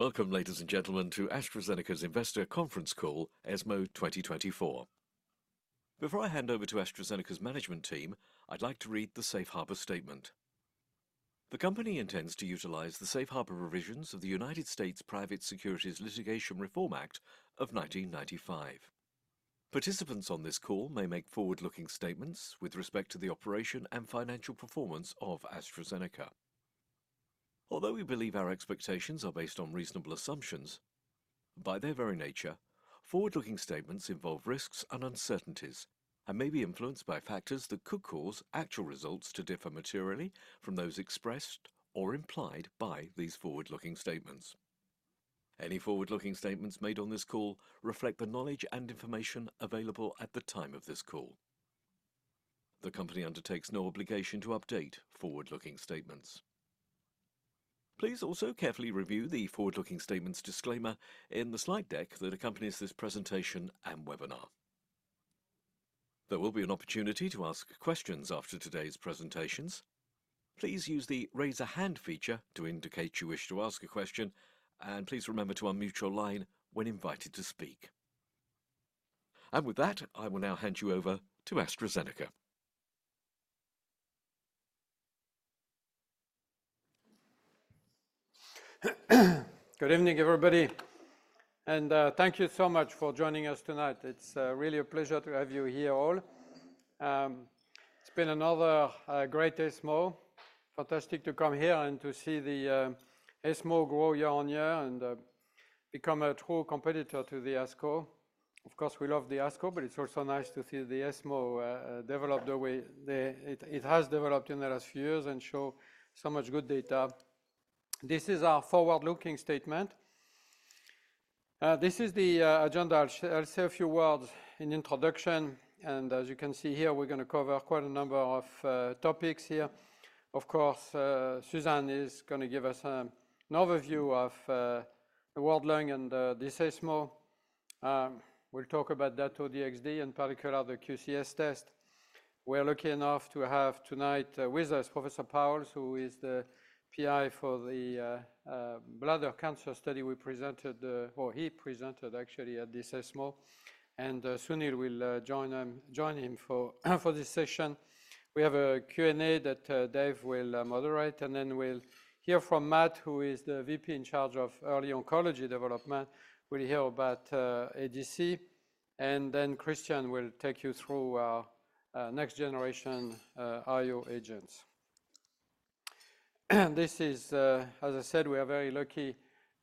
Welcome, ladies and gentlemen, to AstraZeneca's Investor Conference Call, ESMO 2024. Before I hand over to AstraZeneca's management team, I'd like to read the safe harbor statement. The company intends to utilize the safe harbor provisions of the United States Private Securities Litigation Reform Act of 1995. Participants on this call may make forward-looking statements with respect to the operation and financial performance of AstraZeneca. Although we believe our expectations are based on reasonable assumptions, by their very nature, forward-looking statements involve risks and uncertainties and may be influenced by factors that could cause actual results to differ materially from those expressed or implied by these forward-looking statements. Any forward-looking statements made on this call reflect the knowledge and information available at the time of this call. The company undertakes no obligation to update forward-looking statements. Please also carefully review the forward-looking statements disclaimer in the slide deck that accompanies this presentation and webinar. There will be an opportunity to ask questions after today's presentations. Please use the Raise a Hand feature to indicate you wish to ask a question, and please remember to unmute your line when invited to speak. And with that, I will now hand you over to AstraZeneca. Good evening, everybody, and, thank you so much for joining us tonight. It's, really a pleasure to have you here all. It's been another, great ESMO. Fantastic to come here and to see the, ESMO grow year on year and, become a true competitor to the ASCO. Of course, we love the ASCO, but it's also nice to see the ESMO, develop the way it has developed in the last few years and show so much good data. This is our forward-looking statement. This is the, agenda. I'll say a few words in introduction, and as you can see here, we're gonna cover quite a number of, topics here. Of course, Susan is gonna give us, an overview of, the World Lung and, this ESMO. We'll talk about Dato-DXd, in particular, the QCS test. We're lucky enough to have tonight with us, Professor Powles, who is the PI for the bladder cancer study we presented, or he presented actually at this ESMO, and Sunil will join him for this session. We have a Q&A that Dave will moderate, and then we'll hear from Matt, who is the VP in charge of early oncology development. We'll hear about ADC, and then Christian will take you through our next generation IO agents. As I said, we are very lucky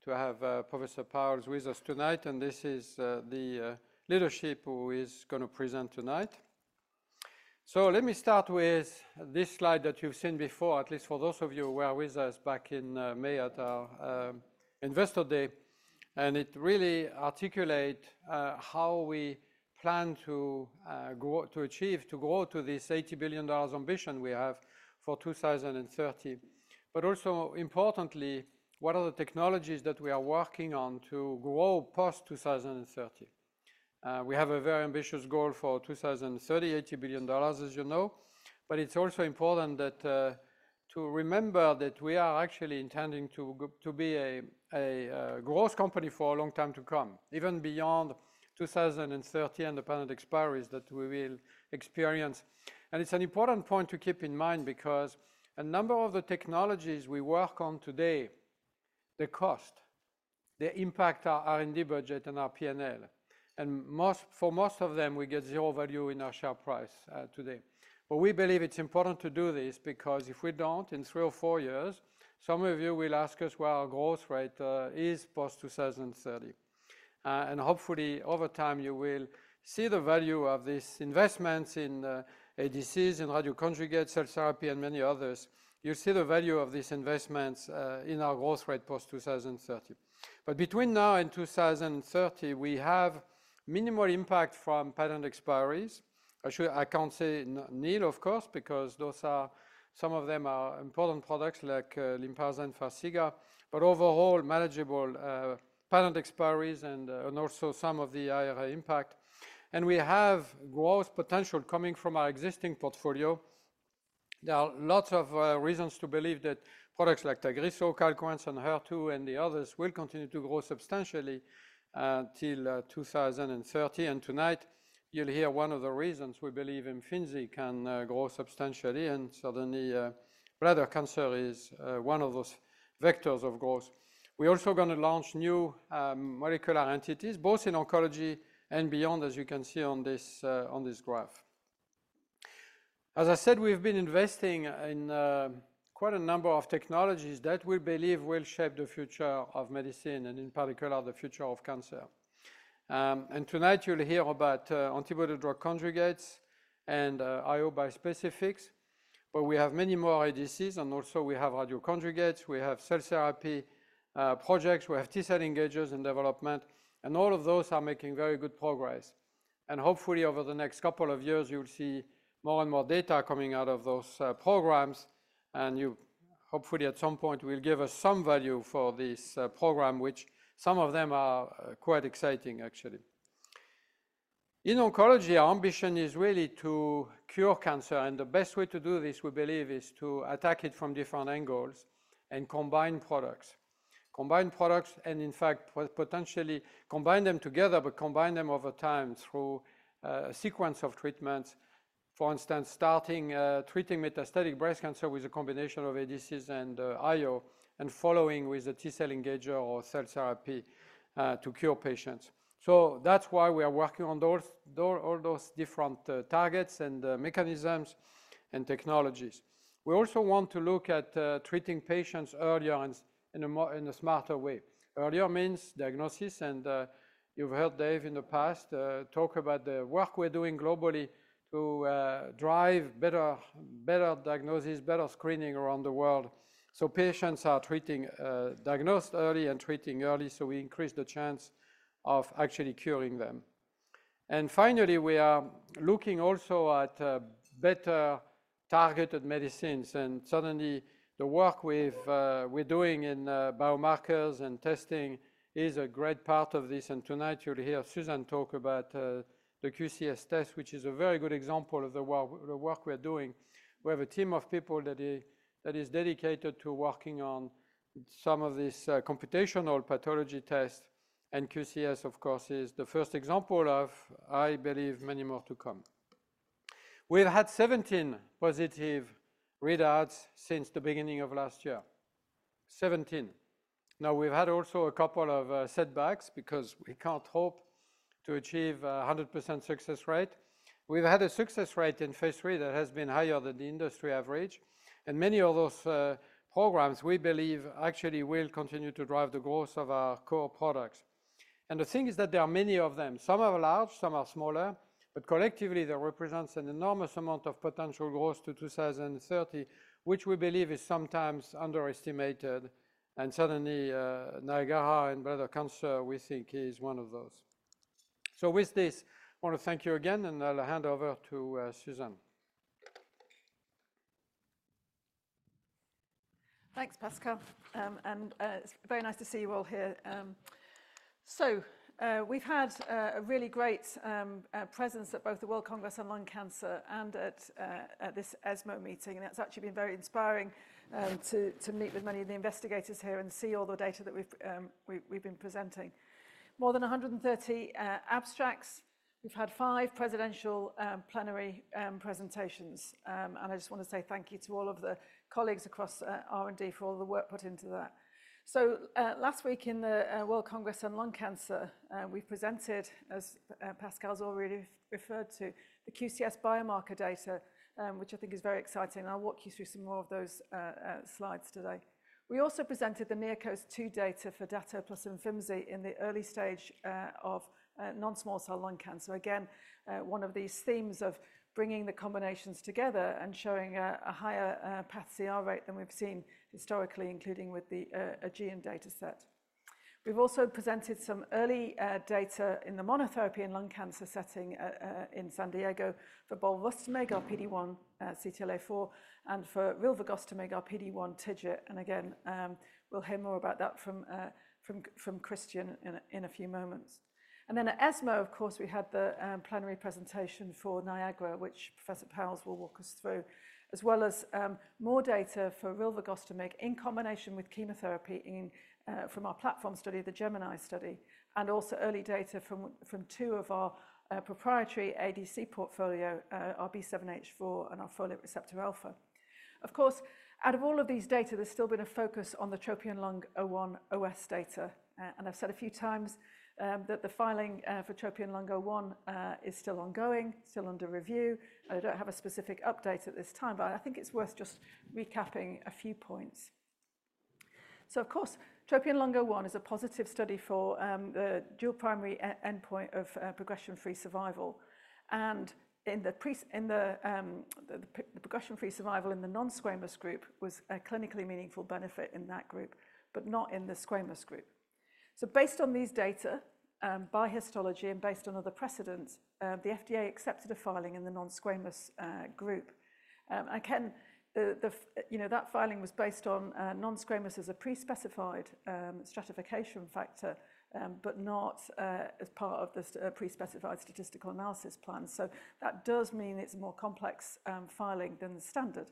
to have Professor Powles with us tonight, and this is the leadership who is gonna present tonight. Let me start with this slide that you've seen before, at least for those of you who were with us back in May at our Investor Day. It really articulate how we plan to grow to achieve to grow to this $80 billion ambition we have for 2030. But also importantly, what are the technologies that we are working on to grow past 2030? We have a very ambitious goal for 2030, $80 billion, as you know. But it's also important that to remember that we are actually intending to be a growth company for a long time to come, even beyond 2030 and the patent expiries that we will experience. It's an important point to keep in mind because a number of the technologies we work on today, they cost, they impact our R&D budget and our P&L, and for most of them, we get zero value in our share price today. We believe it's important to do this because if we don't, in three or four years, some of you will ask us where our growth rate is post 2030. Hopefully, over time, you will see the value of these investments in ADCs, in radioconjugates, cell therapy, and many others. You'll see the value of these investments in our growth rate post 2030. Between now and 2030, we have minimal impact from patent expiries. Actually, I can't say nil, of course, because those are... Some of them are important products like Lynparza and Farxiga, but overall manageable patent expiries and also some of the IRA impact, and we have growth potential coming from our existing portfolio. There are lots of reasons to believe that products like Tagrisso, Calquence, and HER2, and the others will continue to grow substantially till 2030, and tonight you'll hear one of the reasons we believe Imfinzi can grow substantially, and certainly bladder cancer is one of those vectors of growth. We're also gonna launch new molecular entities, both in oncology and beyond, as you can see on this graph. As I said, we've been investing in quite a number of technologies that we believe will shape the future of medicine and, in particular, the future of cancer. And tonight you'll hear about antibody-drug conjugates and IO bispecifics, but we have many more ADCs, and also we have radioconjugates, we have cell therapy projects, we have T-cell engagers in development, and all of those are making very good progress. And hopefully, over the next couple of years, you'll see more and more data coming out of those programs, and you hopefully, at some point, will give us some value for this program, which some of them are quite exciting actually. In oncology, our ambition is really to cure cancer, and the best way to do this, we believe, is to attack it from different angles and combine products. Combine products, and in fact, potentially combine them together, but combine them over time through a sequence of treatments. For instance, starting treating metastatic breast cancer with a combination of ADCs and IO, and following with a T-cell engager or cell therapy to cure patients. So that's why we are working on those, those all those different targets and mechanisms and technologies. We also want to look at treating patients earlier and in a smarter way. Earlier means diagnosis, and you've heard Dave in the past talk about the work we're doing globally to drive better diagnosis, better screening around the world. So patients are treating diagnosed early and treating early, so we increase the chance of actually curing them. And finally, we are looking also at better targeted medicines, and certainly the work we're doing in biomarkers and testing is a great part of this. Tonight, you'll hear Susan talk about the QCS test, which is a very good example of the work we're doing. We have a team of people that is dedicated to working on some of these computational pathology tests, and QCS, of course, is the first example of, I believe, many more to come. We've had 17 positive readouts since the beginning of last year. 17. Now, we've had also a couple of setbacks because we can't hope to achieve a 100% success rate. We've had a success rate in phase III that has been higher than the industry average, and many of those programs, we believe, actually will continue to drive the growth of our core products. The thing is that there are many of them. Some are large, some are smaller, but collectively, they represents an enormous amount of potential growth to 2030, which we believe is sometimes underestimated, and certainly, NIAGARA and bladder cancer, we think, is one of those. So with this, I want to thank you again, and I'll hand over to, Susan. Thanks, Pascal. And it's very nice to see you all here. So we've had a really great presence at both the World Conference on Lung Cancer and at this ESMO meeting, and it's actually been very inspiring to meet with many of the investigators here and see all the data that we've been presenting. More than 130 abstracts. We've had five presidential plenary presentations. And I just want to say thank you to all of the colleagues across R&D for all the work put into that. So last week in the World Conference on Lung Cancer, we presented, as Pascal's already referred to, the QCS biomarker data, which I think is very exciting. I'll walk you through some more of those slides today. We also presented the NeoCOAST-2 data for Dato-DXd plus Imfinzi in the early stage of non-small cell lung cancer. Again, one of these themes of bringing the combinations together and showing a higher PathCR rate than we've seen historically, including with the AEGEAN dataset. We've also presented some early data in the monotherapy in lung cancer setting in San Diego for volrustomig, our PD-1 CTLA-4, and for rilvogostimig, our PD-1 TIGIT. And again, we'll hear more about that from Christian in a few moments. And then at ESMO, of course, we had the plenary presentation for NIAGARA, which Professor Powles will walk us through, as well as more data for rilvogostimig in combination with chemotherapy from our platform study, the GEMINI study, and also early data from two of our proprietary ADC portfolio, our B7-H4 and our folate receptor alpha. Of course, out of all of these data, there's still been a focus on the TROPION-Lung01 OS data, and I've said a few times that the filing for TROPION-Lung01 is still ongoing, still under review. I don't have a specific update at this time, but I think it's worth just recapping a few points. So of course, TROPION-Lung01 is a positive study for the dual primary endpoint of progression-free survival. And in the progression-free survival in the non-squamous group was a clinically meaningful benefit in that group, but not in the squamous group. So based on these data, by histology and based on other precedents, the FDA accepted a filing in the non-squamous group. Again, you know, that filing was based on non-squamous as a pre-specified stratification factor, but not as part of the pre-specified statistical analysis plan. So that does mean it's a more complex filing than the standard.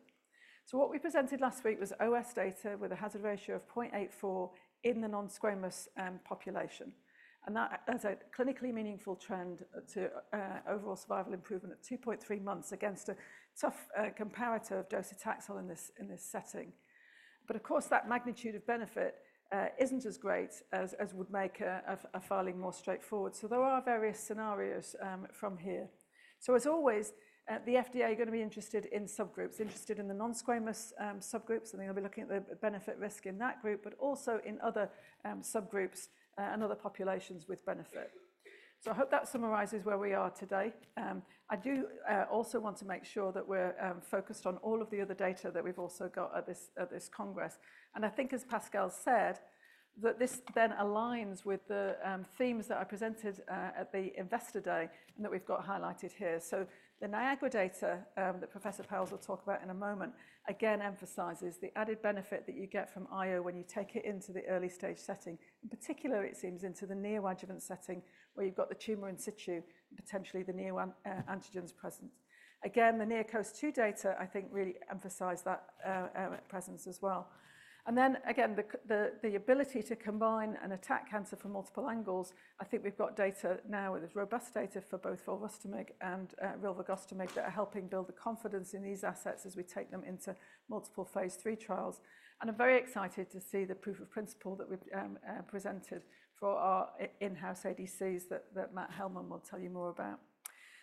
So what we presented last week was OS data with a hazard ratio of 0.84 in the non-squamous population. And that is a clinically meaningful trend to overall survival improvement at 2.3 months against a tough comparator of docetaxel in this setting. But of course, that magnitude of benefit isn't as great as would make a filing more straightforward. So there are various scenarios from here. So as always, the FDA are gonna be interested in subgroups, interested in the non-squamous subgroups, and they'll be looking at the benefit risk in that group, but also in other subgroups and other populations with benefit. So I hope that summarizes where we are today. I do also want to make sure that we're focused on all of the other data that we've also got at this congress. And I think as Pascal said, that this then aligns with the themes that I presented at the Investor Day, and that we've got highlighted here. So the Niagara data that Professor Powles will talk about in a moment, again, emphasizes the added benefit that you get from IO when you take it into the early stage setting in particular, it seems into the neoadjuvant setting, where you've got the tumor in situ, potentially the neoantigens present. Again, the NeoCOAST-2 data, I think, really emphasize that presence as well. And then again, the ability to combine and attack cancer from multiple angles, I think we've got data now, and it's robust data for both volrustomig and rilvogostimig that are helping build the confidence in these assets as we take them into multiple phase III trials. And I'm very excited to see the proof of principle that we've presented for our in-house ADCs that Matt Hellmann will tell you more about.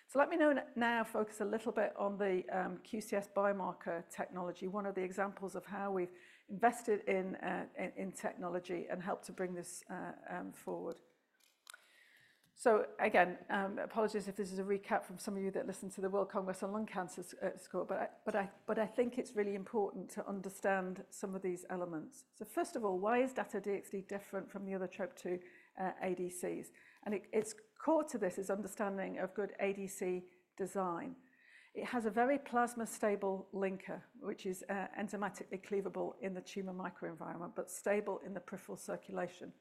So now focus a little bit on the QCS biomarker technology, one of the examples of how we've invested in technology and helped to bring this forward. So again, apologies if this is a recap from some of you that listened to the World Conference on Lung Cancer, but I think it's really important to understand some of these elements. So first of all, why is Dato-DXd different from the other TROP2 ADCs? And it's core to this is understanding of good ADC design. It has a very plasma-stable linker, which is enzymatically cleavable in the tumor microenvironment, but stable in the peripheral circulation.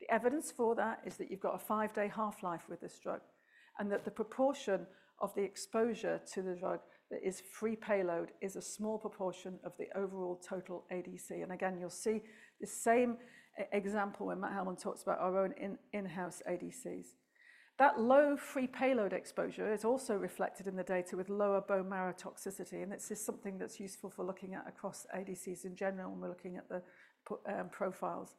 The evidence for that is that you've got a five-day half-life with this drug, and that the proportion of the exposure to the drug that is free payload is a small proportion of the overall total ADC. And again, you'll see the same example when Matt Hellmann talks about our own in-house ADCs. That low free payload exposure is also reflected in the data with lower bone marrow toxicity, and it's just something that's useful for looking at across ADCs in general when we're looking at the profiles.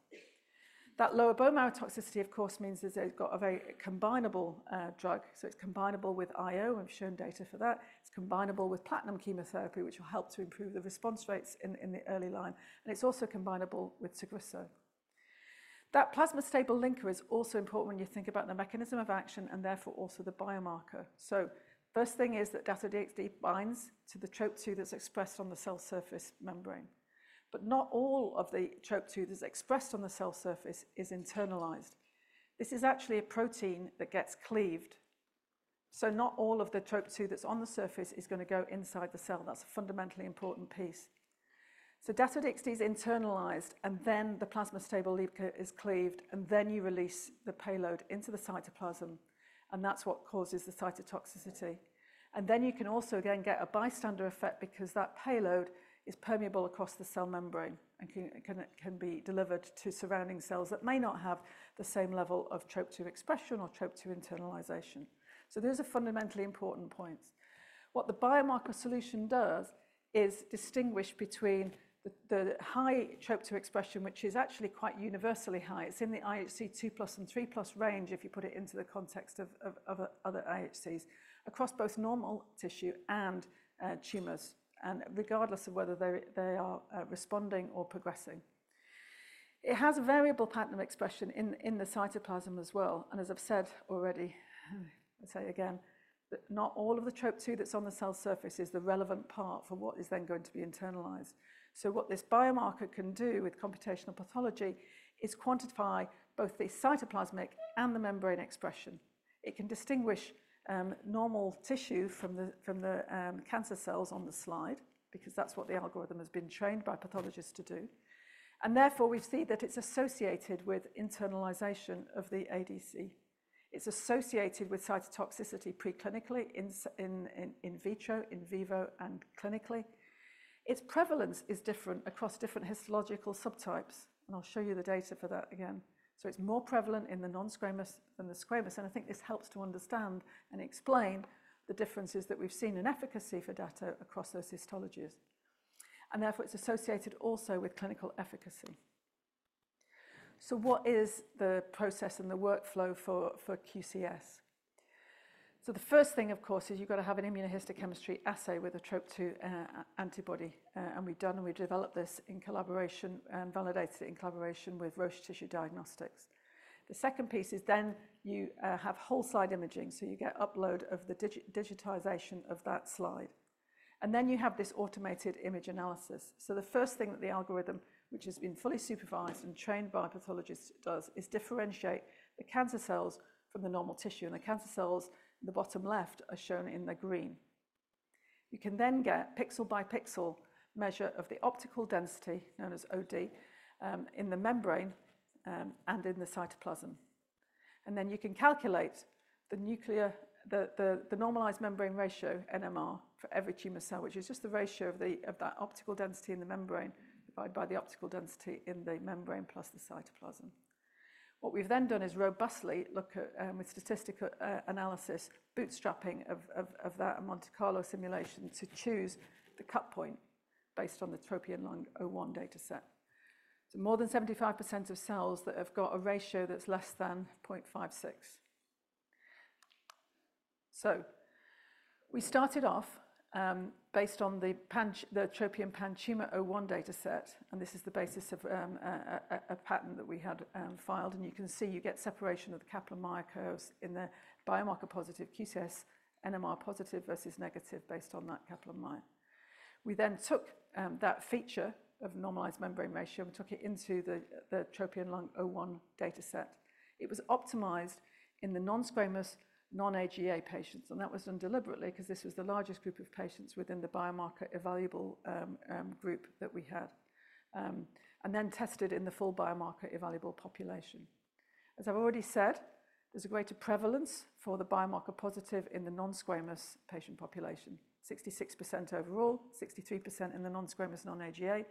That lower bone marrow toxicity, of course, means is they've got a very combinable drug, so it's combinable with IO. I've shown data for that. It's combinable with platinum chemotherapy, which will help to improve the response rates in the early line, and it's also combinable with Tagrisso. That plasma stable linker is also important when you think about the mechanism of action and therefore also the biomarker. So first thing is that Dato-DXd binds to the TROP2 that's expressed on the cell surface membrane. But not all of the TROP2 that's expressed on the cell surface is internalized. This is actually a protein that gets cleaved, so not all of the TROP2 that's on the surface is gonna go inside the cell. That's a fundamentally important piece. So Dato-DXd is internalized, and then the plasma stable linker is cleaved, and then you release the payload into the cytoplasm, and that's what causes the cytotoxicity. You can also again get a bystander effect because that payload is permeable across the cell membrane and can be delivered to surrounding cells that may not have the same level of TROP2 expression or TROP2 internalization. So those are fundamentally important points. What the biomarker solution does is distinguish between the high TROP2 expression, which is actually quite universally high. It's in the IHC 2+ and 3+ range, if you put it into the context of other IHCs, across both normal tissue and tumors, and regardless of whether they are responding or progressing. It has a variable pattern of expression in the cytoplasm as well, and as I've said already, and I'll say again, that not all of the TROP2 that's on the cell surface is the relevant part for what is then going to be internalized. So what this biomarker can do with computational pathology is quantify both the cytoplasmic and the membrane expression. It can distinguish normal tissue from the cancer cells on the slide because that's what the algorithm has been trained by pathologists to do. Therefore, we see that it's associated with internalization of the ADC. It's associated with cytotoxicity preclinically, in vitro, in vivo, and clinically. Its prevalence is different across different histological subtypes, and I'll show you the data for that again. It's more prevalent in the non-squamous than the squamous, and I think this helps to understand and explain the differences that we've seen in efficacy for Dato-DXd across those histologies. And therefore, it's associated also with clinical efficacy. What is the process and the workflow for QCS? The first thing, of course, is you've got to have an immunohistochemistry assay with a TROP2 antibody, and we've done and we developed this in collaboration and validated it in collaboration with Roche Tissue Diagnostics. The second piece is then you have whole slide imaging, so you get upload of the digitization of that slide. And then you have this automated image analysis. So the first thing that the algorithm, which has been fully supervised and trained by a pathologist, does is differentiate the cancer cells from the normal tissue, and the cancer cells in the bottom left are shown in the green. You can then get pixel-by-pixel measure of the optical density, known as OD, in the membrane, and in the cytoplasm. And then you can calculate the normalized membrane ratio, NMR, for every tumor cell, which is just the ratio of that optical density in the membrane divided by the optical density in the membrane plus the cytoplasm. What we've then done is robustly look at, with statistical analysis, bootstrapping of that and Monte Carlo simulation to choose the cut point based on the TROPION-Lung01 dataset. More than 75% of cells that have got a ratio that's less than 0.56. We started off based on the TROPION-PanTumor01 dataset, and this is the basis of a pattern that we had filed, and you can see you get separation of the Kaplan-Meier curves in the biomarker positive QCS, NMR positive versus negative based on that Kaplan-Meier. We then took that feature of normalized membrane ratio; we took it into the TROPION-Lung01 dataset. It was optimized in the non-squamous, non-AGA patients, and that was done deliberately because this was the largest group of patients within the biomarker evaluable group that we had, and then tested in the full biomarker evaluable population. As I've already said, there's a greater prevalence for the biomarker positive in the non-squamous patient population, 66% overall, 63% in the non-squamous non-AGA.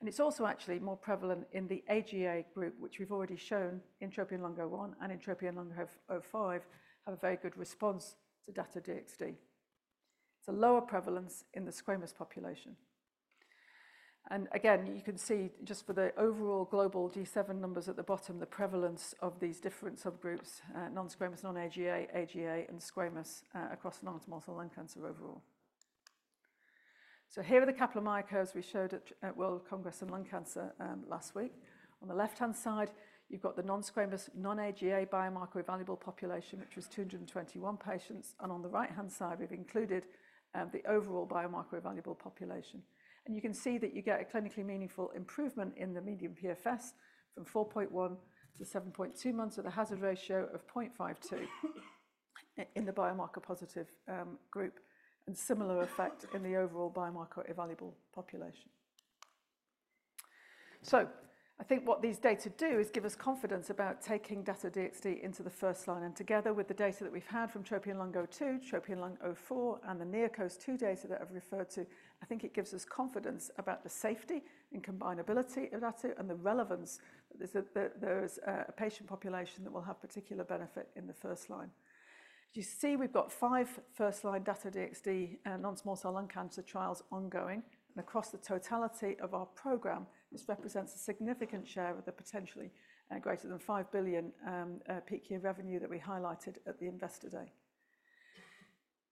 And it's also actually more prevalent in the AGA group, which we've already shown in TROPION-Lung01 and in TROPION-Lung05, have a very good response to Dato-DXd. It's a lower prevalence in the squamous population. And again, you can see just for the overall global G7 numbers at the bottom, the prevalence of these different subgroups, non-squamous, non-AGA, AGA, and squamous, across non-small cell lung cancer overall. So here are the Kaplan-Meier curves we showed at World Conference on Lung Cancer last week. On the left-hand side, you've got the non-squamous, non-AGA biomarker evaluable population, which was 221 patients, and on the right-hand side, we've included the overall biomarker evaluable population. You can see that you get a clinically meaningful improvement in the median PFS from 4.1 to 7.2 months, with a hazard ratio of 0.52, in the biomarker-positive group, and similar effect in the overall biomarker-evaluable population. I think what these data do is give us confidence about taking Dato-DXd into the first line, and together with the data that we've had from TROPION-Lung02, TROPION-Lung04, and the NeoCOAST-2 data that I've referred to, I think it gives us confidence about the safety and combinability of that, and the relevance is that there is a patient population that will have particular benefit in the first line. You see, we've got five first-line Dato-DXd non-small cell lung cancer trials ongoing, and across the totality of our program, this represents a significant share of the potentially greater than $5 billion peak year revenue that we highlighted at the Investor Day.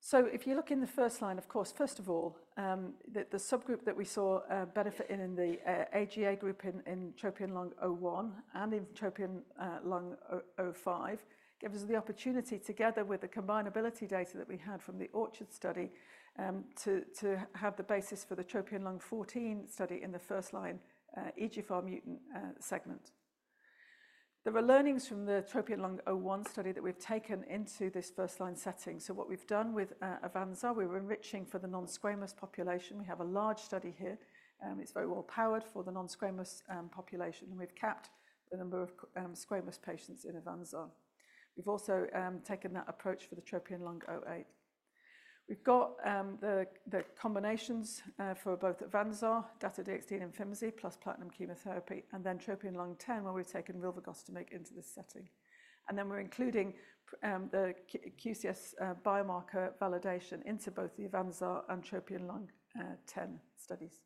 So if you look in the first line, of course, first of all, the subgroup that we saw benefiting in the AVANZAR group in TROPION-Lung01 and in TROPION-Lung05, gave us the opportunity, together with the combinability data that we had from the ORCHARD study, to have the basis for the TROPION-Lung14 study in the first line EGFR mutant segment. There were learnings from the TROPION-Lung01 study that we've taken into this first line setting. So what we've done with AVANZAR, we were enriching for the non-squamous population. We have a large study here, it's very well powered for the non-squamous population, and we've capped the number of squamous patients in AVANZAR. We've also taken that approach for the TROPION-Lung08. We've got the combinations for both AVANZAR, Dato-DXd, and Imfinzi plus platinum chemotherapy, and then TROPION-Lung10, where we've taken rilvogostimig into this setting. And then we're including the QCS biomarker validation into both the AVANZAR and TROPION-Lung10 studies.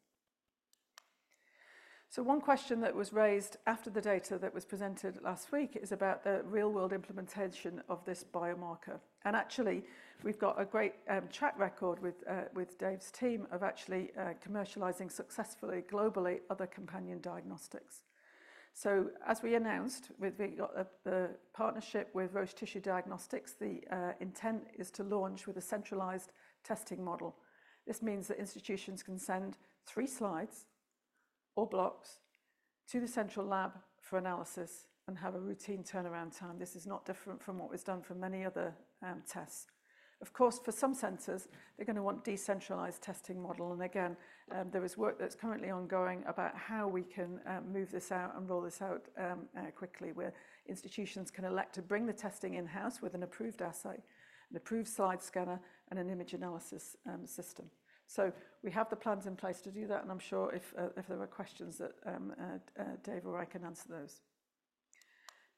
So one question that was raised after the data that was presented last week is about the real-world implementation of this biomarker. And actually, we've got a great track record with Dave's team of actually commercializing successfully, globally, other companion diagnostics. So as we announced with the partnership with Roche Tissue Diagnostics, the intent is to launch with a centralized testing model. This means that institutions can send three slides or blocks to the central lab for analysis and have a routine turnaround time. This is not different from what was done for many other tests. Of course, for some centers, they're going to want decentralized testing model, and again, there is work that's currently ongoing about how we can move this out and roll this out quickly, where institutions can elect to bring the testing in-house with an approved assay, an approved slide scanner, and an image analysis system. So we have the plans in place to do that, and I'm sure if there are questions that Dave or I can answer those.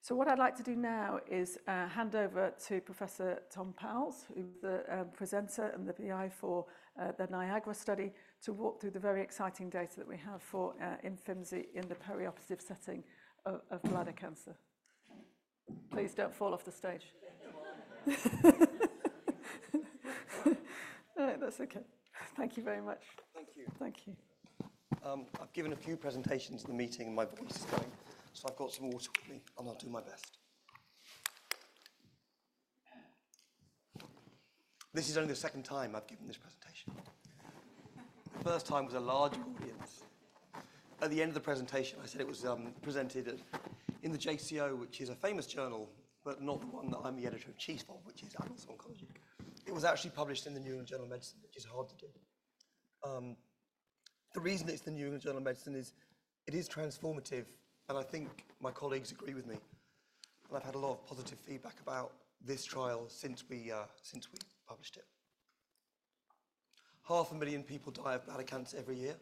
What I'd like to do now is hand over to Professor Tom Powles, who is the presenter and the PI for the NIAGARA study, to walk through the very exciting data that we have for Imfinzi in the perioperative setting of bladder cancer. Please don't fall off the stage. That's okay. Thank you very much. Thank you. Thank you. I've given a few presentations in the meeting, and my voice is going, so I've got some water with me, and I'll do my best. This is only the second time I've given this presentation. The first time was a large audience. At the end of the presentation, I said it was presented at, in the JCO, which is a famous journal, but not the one that I'm the Editor-in-Chief of, which is Annals of Oncology. It was actually published in The New England Journal of Medicine, which is hard to do. The reason it's The New England Journal of Medicine is it is transformative, and I think my colleagues agree with me. I've had a lot of positive feedback about this trial since we published it. 500,000 people die of bladder cancer every year.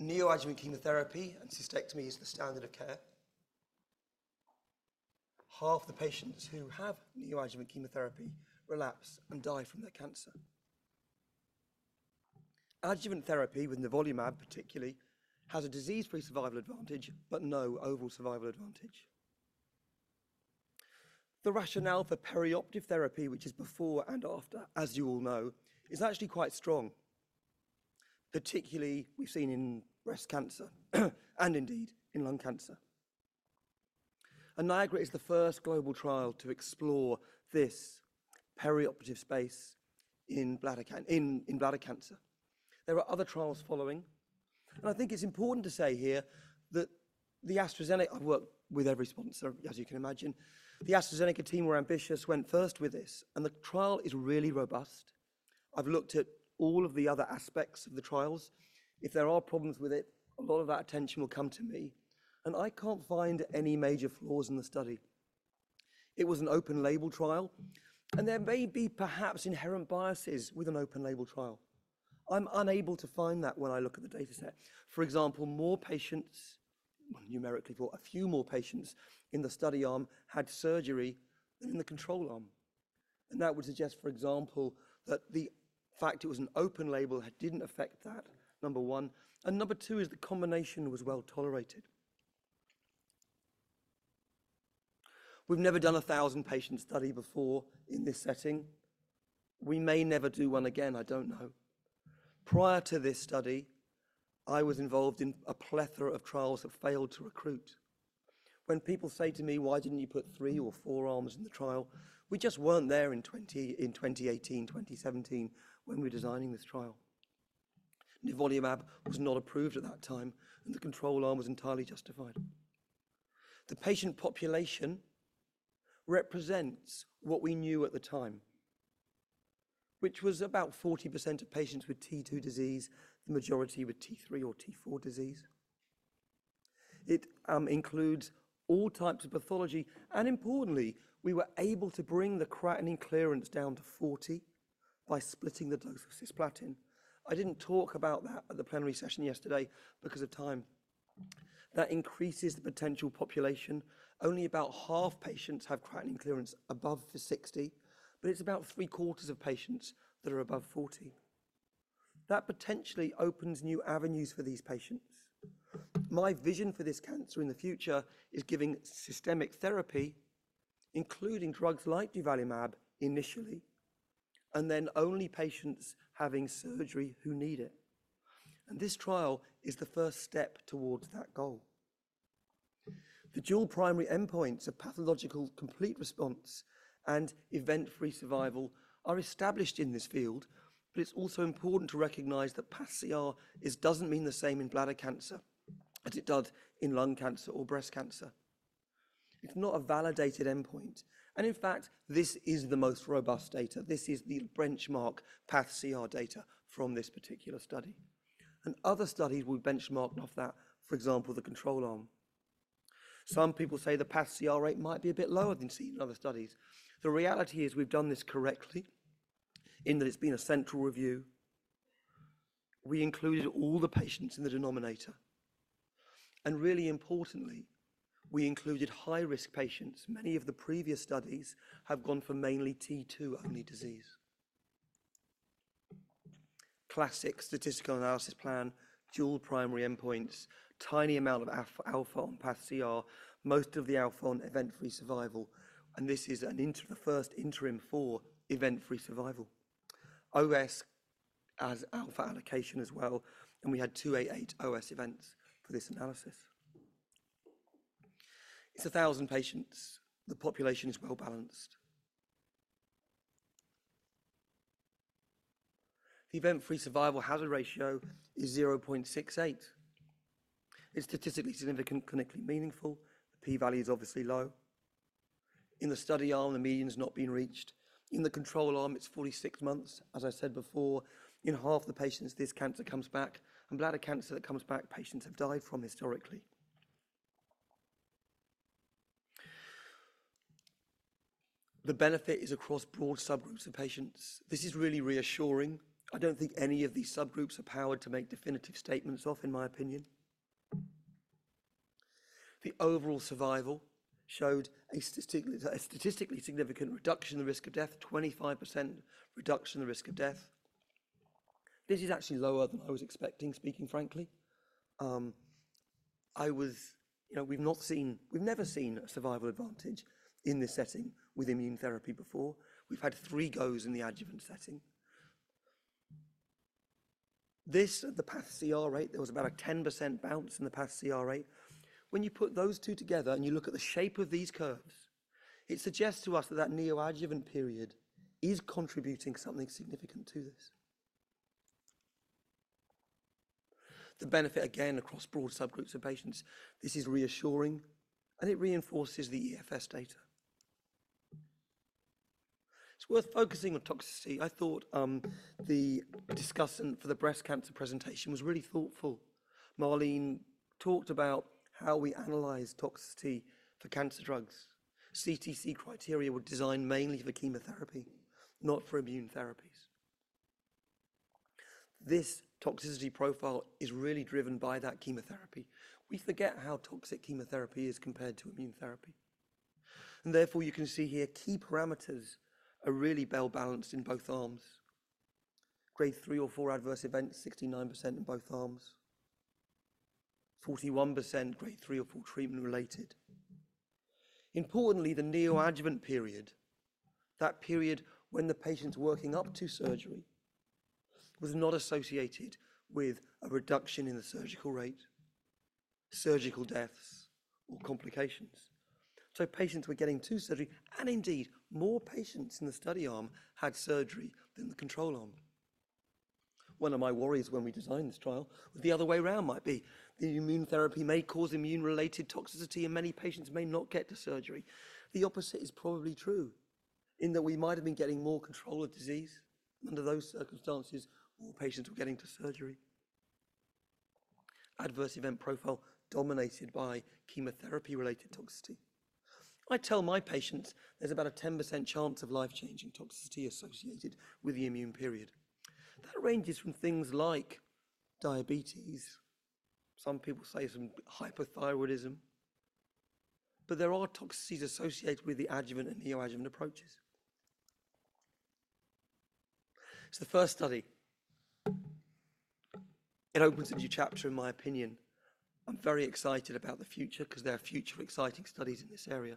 Neoadjuvant chemotherapy and cystectomy is the standard of care. Half the patients who have neoadjuvant chemotherapy relapse and die from their cancer. Adjuvant therapy with nivolumab, particularly, has a disease-free survival advantage, but no overall survival advantage. The rationale for perioperative therapy, which is before and after, as you all know, is actually quite strong, particularly we've seen in breast cancer, and indeed in lung cancer. And NIAGARA is the first global trial to explore this perioperative space in bladder cancer. There are other trials following, and I think it's important to say here that the AstraZeneca team were ambitious, went first with this, and the trial is really robust. I've looked at all of the other aspects of the trials. If there are problems with it, a lot of that attention will come to me, and I can't find any major flaws in the study. It was an open label trial, and there may be perhaps inherent biases with an open label trial. I'm unable to find that when I look at the dataset. For example, more patients, well, numerically, or a few more patients in the study arm had surgery than in the control arm, and that would suggest, for example, that the fact it was an open label had didn't affect that, number one, and number two is the combination was well tolerated. We've never done a thousand-patient study before in this setting. We may never do one again, I don't know. Prior to this study, I was involved in a plethora of trials that failed to recruit. When people say to me, "Why didn't you put three or four arms in the trial?" We just weren't there in 2018, 2017, when we were designing this trial. Nivolumab was not approved at that time, and the control arm was entirely justified. The patient population represents what we knew at the time, which was about 40% of patients with T2 disease, the majority with T3 or T4 disease. It includes all types of pathology, and importantly, we were able to bring the creatinine clearance down to 40 by splitting the dose of cisplatin. I didn't talk about that at the plenary session yesterday because of time. That increases the potential population. Only about half patients have creatinine clearance above 60, but it's about three-quarters of patients that are above 40. That potentially opens new avenues for these patients. My vision for this cancer in the future is giving systemic therapy, including drugs like nivolumab, initially, and then only patients having surgery who need it, and this trial is the first step towards that goal. The dual primary endpoints of pathological complete response and event-free survival are established in this field, but it's also important to recognize that PathCR isn't the same in bladder cancer as it does in lung cancer or breast cancer. It's not a validated endpoint, and in fact, this is the most robust data. This is the benchmark PathCR data from this particular study, and other studies will be benchmarked off that, for example, the control arm. Some people say the PathCR rate might be a bit lower than seen in other studies. The reality is we've done this correctly in that it's been a central review. We included all the patients in the denominator, and really importantly, we included high-risk patients. Many of the previous studies have gone for mainly T2-only disease. Classic statistical analysis plan, dual primary endpoints, tiny amount of alpha on path CR, most of the alpha on event-free survival, and this is the first interim for event-free survival. OS has alpha allocation as well, and we had 288 OS events for this analysis. It's 1000 patients. The population is well-balanced. The event-free survival hazard ratio is 0.68. It's statistically significant, clinically meaningful. The p-value is obviously low. In the study arm, the median's not been reached. In the control arm, it's 46 months. As I said before, in half the patients, this cancer comes back, and bladder cancer that comes back, patients have died from historically. The benefit is across broad subgroups of patients. This is really reassuring. I don't think any of these subgroups are powered to make definitive statements of, in my opinion. The overall survival showed a statistically significant reduction in the risk of death, 25% reduction in the risk of death. This is actually lower than I was expecting, speaking frankly. You know, we've never seen a survival advantage in this setting with immune therapy before. We've had three goes in the adjuvant setting. This, the PathCR rate, there was about a 10% bounce in the PathCR rate. When you put those two together, and you look at the shape of these curves, it suggests to us that that neoadjuvant period is contributing something significant to this. The benefit, again, across broad subgroups of patients, this is reassuring, and it reinforces the EFS data. It's worth focusing on toxicity. I thought the discussant for the breast cancer presentation was really thoughtful. Marleen talked about how we analyze toxicity for cancer drugs. CTC criteria were designed mainly for chemotherapy, not for immune therapies. This toxicity profile is really driven by that chemotherapy. We forget how toxic chemotherapy is compared to immune therapy, and therefore, you can see here key parameters are really well-balanced in both arms. Grade three or four adverse events, 69% in both arms, 41%, Grade three or four treatment related. Importantly, the neoadjuvant period, that period when the patient's working up to surgery, was not associated with a reduction in the surgical rate, surgical deaths, or complications. So patients were getting to surgery, and indeed, more patients in the study arm had surgery than the control arm. One of my worries when we designed this trial was the other way around might be the immune therapy may cause immune-related toxicity, and many patients may not get to surgery. The opposite is probably true, in that we might have been getting more control of disease under those circumstances, more patients were getting to surgery. Adverse event profile dominated by chemotherapy-related toxicity. I tell my patients there's about a 10% chance of life-changing toxicity associated with the immune period. That ranges from things like diabetes, some people say some hypothyroidism, but there are toxicities associated with the adjuvant and neoadjuvant approaches. It's the first study. It opens a new chapter, in my opinion. I'm very excited about the future because there are future exciting studies in this area.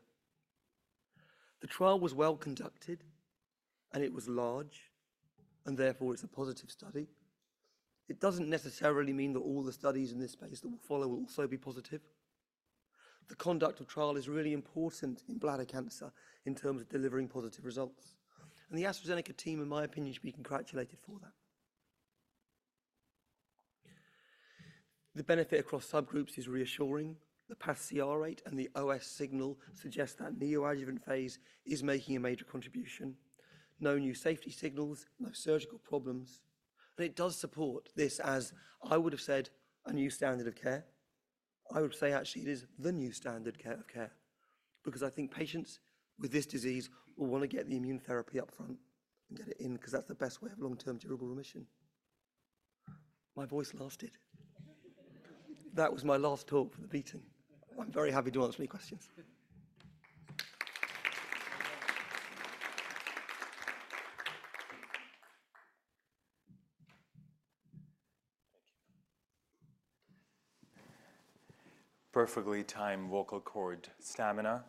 The trial was well conducted, and it was large, and therefore, it's a positive study. It doesn't necessarily mean that all the studies in this space that will follow will also be positive. The conduct of trial is really important in bladder cancer in terms of delivering positive results, and the AstraZeneca team, in my opinion, should be congratulated for that. The benefit across subgroups is reassuring. The pCR rate and the OS signal suggest that neoadjuvant phase is making a major contribution. No new safety signals, no surgical problems, and it does support this as, I would have said, a new standard of care. I would say actually it is the new standard care of care, because I think patients with this disease will want to get the immune therapy up front and get it in, because that's the best way of long-term durable remission. My voice lasted. That was my last talk for the meeting. I'm very happy to answer any questions. Thank you. Perfectly timed vocal cord stamina.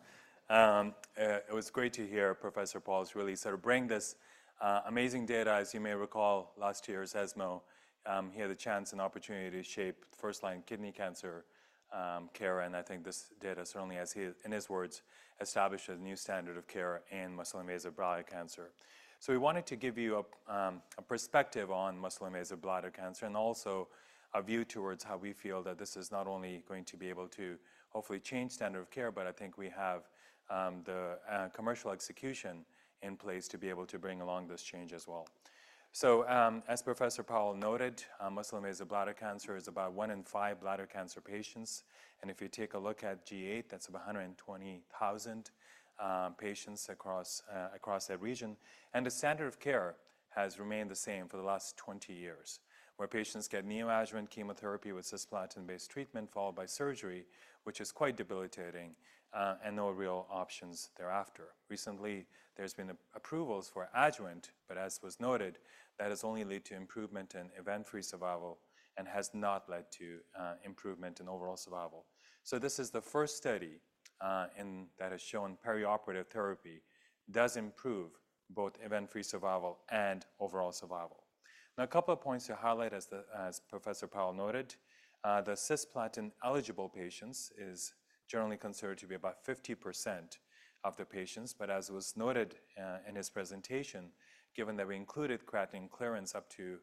It was great to hear Professor Powles really sort of bring this amazing data. As you may recall, last year's ESMO, he had the chance and opportunity to shape first-line kidney cancer care, and I think this data certainly has, he, in his words, "established a new standard of care in muscle-invasive bladder cancer." So we wanted to give you a perspective on muscle-invasive bladder cancer and also a view towards how we feel that this is not only going to be able to hopefully change standard of care, but I think we have the commercial execution in place to be able to bring along this change as well. As Professor Powles noted, muscle invasive bladder cancer is about one in five bladder cancer patients, and if you take a look at G8, that's about 120,000 patients across that region. The standard of care has remained the same for the last 20 years, where patients get neoadjuvant chemotherapy with cisplatin-based treatment followed by surgery, which is quite debilitating, and no real options thereafter. Recently, there's been approvals for adjuvant, but as was noted, that has only lead to improvement in event-free survival and has not led to improvement in overall survival. This is the first study, and that has shown perioperative therapy does improve both event-free survival and overall survival. Now, a couple of points to highlight as Professor Powles noted, the cisplatin-eligible patients is generally considered to be about 50% of the patients, but as was noted in his presentation, given that we included creatinine clearance up to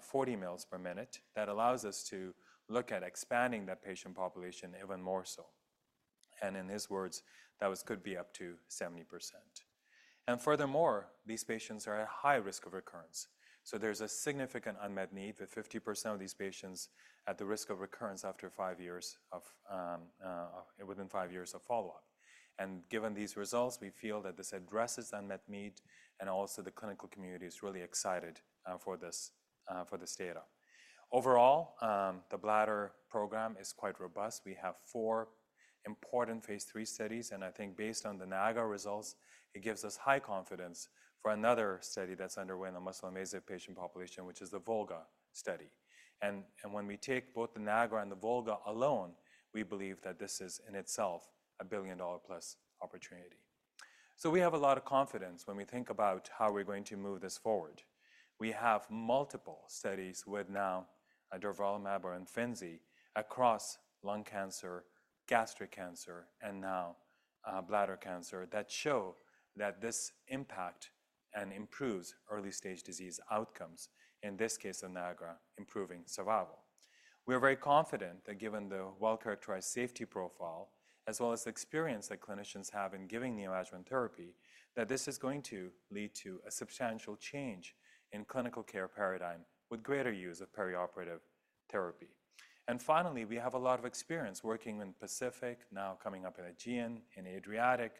40 mL per minute, that allows us to look at expanding that patient population even more so. And in his words, that could be up to 70%. And furthermore, these patients are at high risk of recurrence, so there's a significant unmet need for 50% of these patients at the risk of recurrence within five years of follow-up. And given these results, we feel that this addresses unmet need, and also the clinical community is really excited for this data. Overall, the bladder program is quite robust. We have four important phase III studies, and I think based on the NIAGARA results, it gives us high confidence for another study that's underway in the muscle-invasive patient population, which is the VOLGA study. And when we take both the NIAGARA and the VOLGA alone, we believe that this is, in itself, a $1 billion-plus opportunity. So we have a lot of confidence when we think about how we're going to move this forward. We have multiple studies with now durvalumab and Imfinzi across lung cancer, gastric cancer, and now, bladder cancer, that show that this impact and improves early-stage disease outcomes, in this case, in NIAGARA, improving survival. We are very confident that given the well-characterized safety profile, as well as the experience that clinicians have in giving neoadjuvant therapy, that this is going to lead to a substantial change in clinical care paradigm with greater use of perioperative therapy, and finally, we have a lot of experience working in PACIFIC, now coming up in AEGEAN, in ADRIATIC,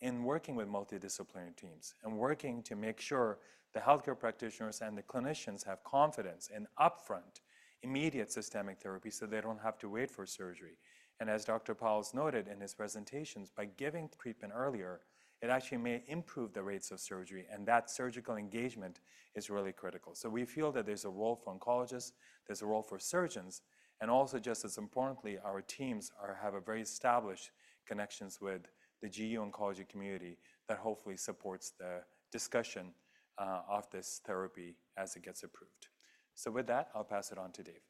in working with multidisciplinary teams and working to make sure the healthcare practitioners and the clinicians have confidence in upfront, immediate systemic therapy, so they don't have to wait for surgery, and as Dr. Powles noted in his presentations, by giving treatment earlier, it actually may improve the rates of surgery, and that surgical engagement is really critical. So we feel that there's a role for oncologists, there's a role for surgeons, and also, just as importantly, our teams have a very established connections with the GU oncology community that hopefully supports the discussion of this therapy as it gets approved. So with that, I'll pass it on to Dave.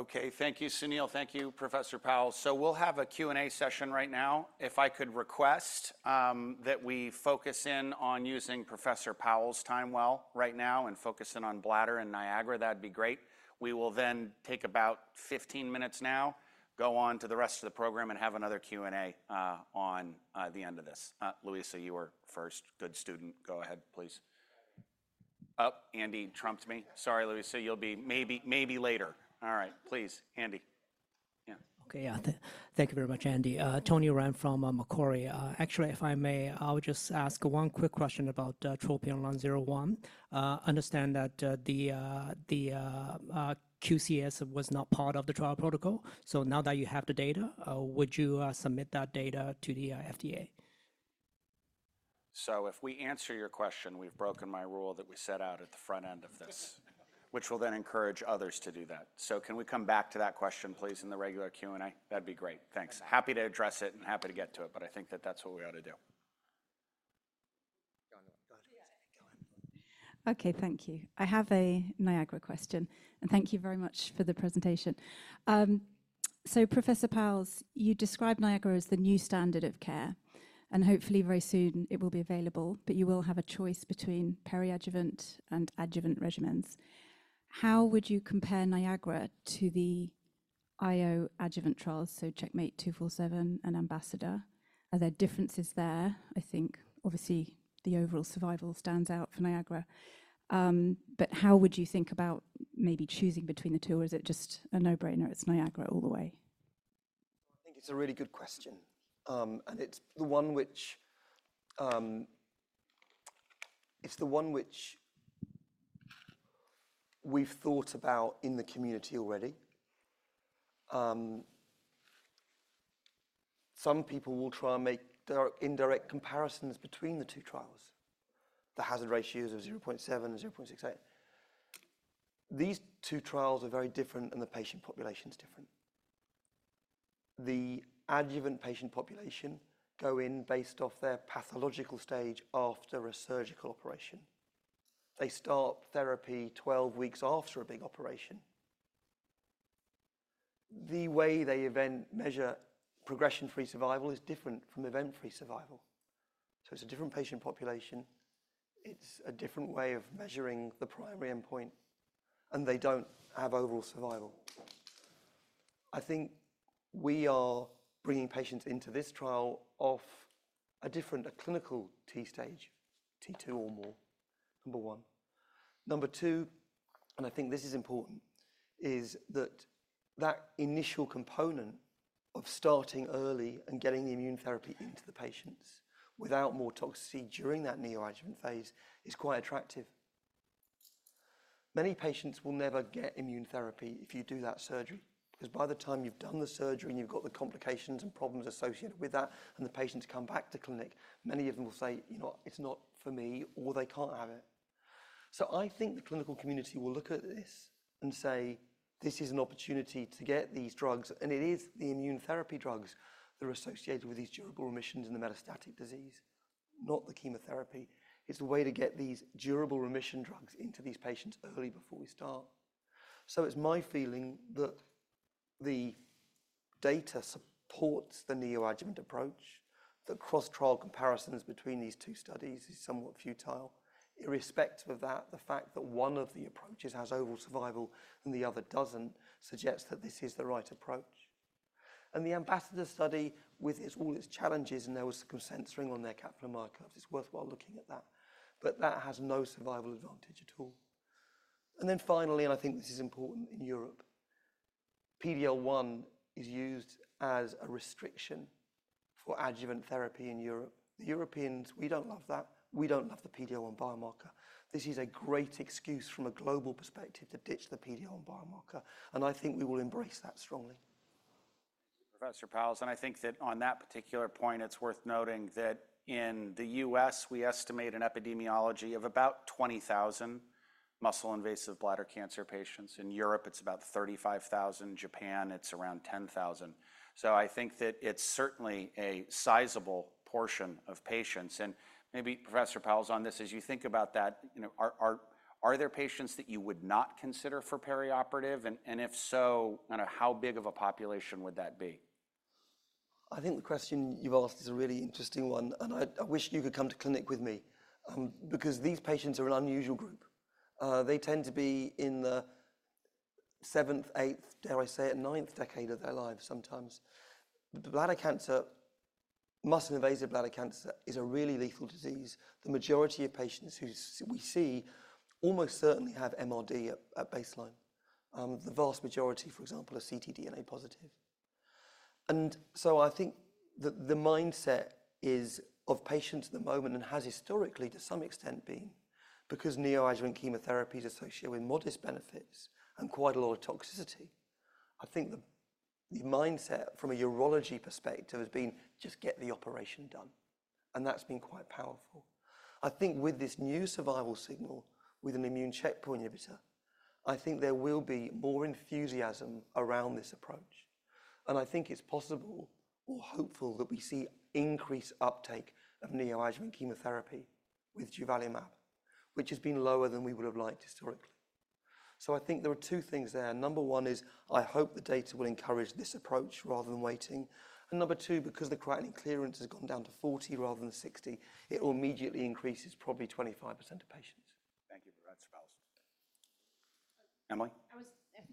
Thank you, Dave.... Okay, thank you, Sunil. Thank you, Professor Powles. So we'll have a Q&A session right now. If I could request that we focus in on using Professor Powles' time well right now and focus in on BLADDER and NIAGARA, that'd be great. We will then take about fifteen minutes now, go on to the rest of the program, and have another Q&A on the end of this. Luisa, you are first. Good student. Go ahead, please. Oh, Andy trumped me. Sorry, Luisa, you'll be maybe later. All right. Please, Andy. Yeah. Okay, yeah. Thank you very much, Andy. Tony Ren from Macquarie. Actually, if I may, I would just ask one quick question about TROPION-Lung01. Understand that the QCS was not part of the trial protocol. So now that you have the data, would you submit that data to the FDA? So if we answer your question, we've broken my rule that we set out at the front end of this, which will then encourage others to do that. So can we come back to that question, please, in the regular Q&A? That'd be great. Thanks. Happy to address it and happy to get to it, but I think that that's what we ought to do. Go on, go ahead. Yeah. Go ahead. Okay, thank you. I have a NIAGARA question, and thank you very much for the presentation. So Professor Powles, you describe NIAGARA as the new standard of care, and hopefully very soon it will be available, but you will have a choice between perioperative and adjuvant regimens. How would you compare NIAGARA to the IO adjuvant trials, so CheckMate 274 and AMBASSADOR? Are there differences there? I think obviously, the overall survival stands out for NIAGARA. But how would you think about maybe choosing between the two, or is it just a no-brainer, it's NIAGARA all the way? I think it's a really good question, and it's the one which we've thought about in the community already. Some people will try and make indirect comparisons between the two trials. The hazard ratios of 0.7, 0.68. These two trials are very different, and the patient population is different. The adjuvant patient population go in based off their pathological stage after a surgical operation. They start therapy twelve weeks after a big operation. The way they measure events for progression-free survival is different from event-free survival. So it's a different patient population, it's a different way of measuring the primary endpoint, and they don't have overall survival. I think we are bringing patients into this trial on a different clinical T stage, T2 or more, number one. Number two, and I think this is important, is that that initial component of starting early and getting the immune therapy into the patients without more toxicity during that neoadjuvant phase is quite attractive. Many patients will never get immune therapy if you do that surgery, because by the time you've done the surgery and you've got the complications and problems associated with that, and the patients come back to clinic, many of them will say: "You know what? It's not for me," or they can't have it. So I think the clinical community will look at this and say, "This is an opportunity to get these drugs." And it is the immune therapy drugs that are associated with these durable remissions in the metastatic disease, not the chemotherapy. It's a way to get these durable remission drugs into these patients early before we start. It's my feeling that the data supports the neoadjuvant approach. The cross-trial comparisons between these two studies is somewhat futile. Irrespective of that, the fact that one of the approaches has overall survival and the other doesn't, suggests that this is the right approach. The AMBASSADOR study, with all its challenges, and there was some censoring on their Kaplan-Meiers, it's worthwhile looking at that, but that has no survival advantage at all. Then finally, and I think this is important in Europe, PD-L1 is used as a restriction for adjuvant therapy in Europe. The Europeans, we don't love that. We don't love the PD-L1 biomarker. This is a great excuse from a global perspective to ditch the PD-L1 biomarker, and I think we will embrace that strongly. Professor Powles, and I think that on that particular point, it's worth noting that in the U.S., we estimate an epidemiology of about 20,000 muscle-invasive bladder cancer patients. In Europe, it's about 35,000. Japan, it's around 10,000. So I think that it's certainly a sizable portion of patients. And maybe, Professor Powles, on this, as you think about that, you know, are there patients that you would not consider for perioperative? And if so, kind of how big of a population would that be? I think the question you've asked is a really interesting one, and I wish you could come to clinic with me, because these patients are an unusual group. They tend to be in the seventh, eighth, dare I say it, ninth decade of their lives sometimes. Bladder cancer, muscle-invasive bladder cancer is a really lethal disease. The majority of patients who we see almost certainly have MRD at baseline. The vast majority, for example, are ctDNA positive. And so I think the mindset is of patients at the moment, and has historically to some extent been, because neoadjuvant chemotherapy is associated with modest benefits and quite a lot of toxicity, I think the mindset from a urology perspective has been: Just get the operation done, and that's been quite powerful. I think with this new survival signal, with an immune checkpoint inhibitor-... I think there will be more enthusiasm around this approach, and I think it's possible or hopeful that we see increased uptake of neoadjuvant chemotherapy with durvalumab, which has been lower than we would have liked historically. So I think there are two things there. Number one is, I hope the data will encourage this approach rather than waiting. And number two, because the creatinine clearance has gone down to 40 rather than 60, it immediately increases probably 25% of patients. Thank you for that, Powles. Emily?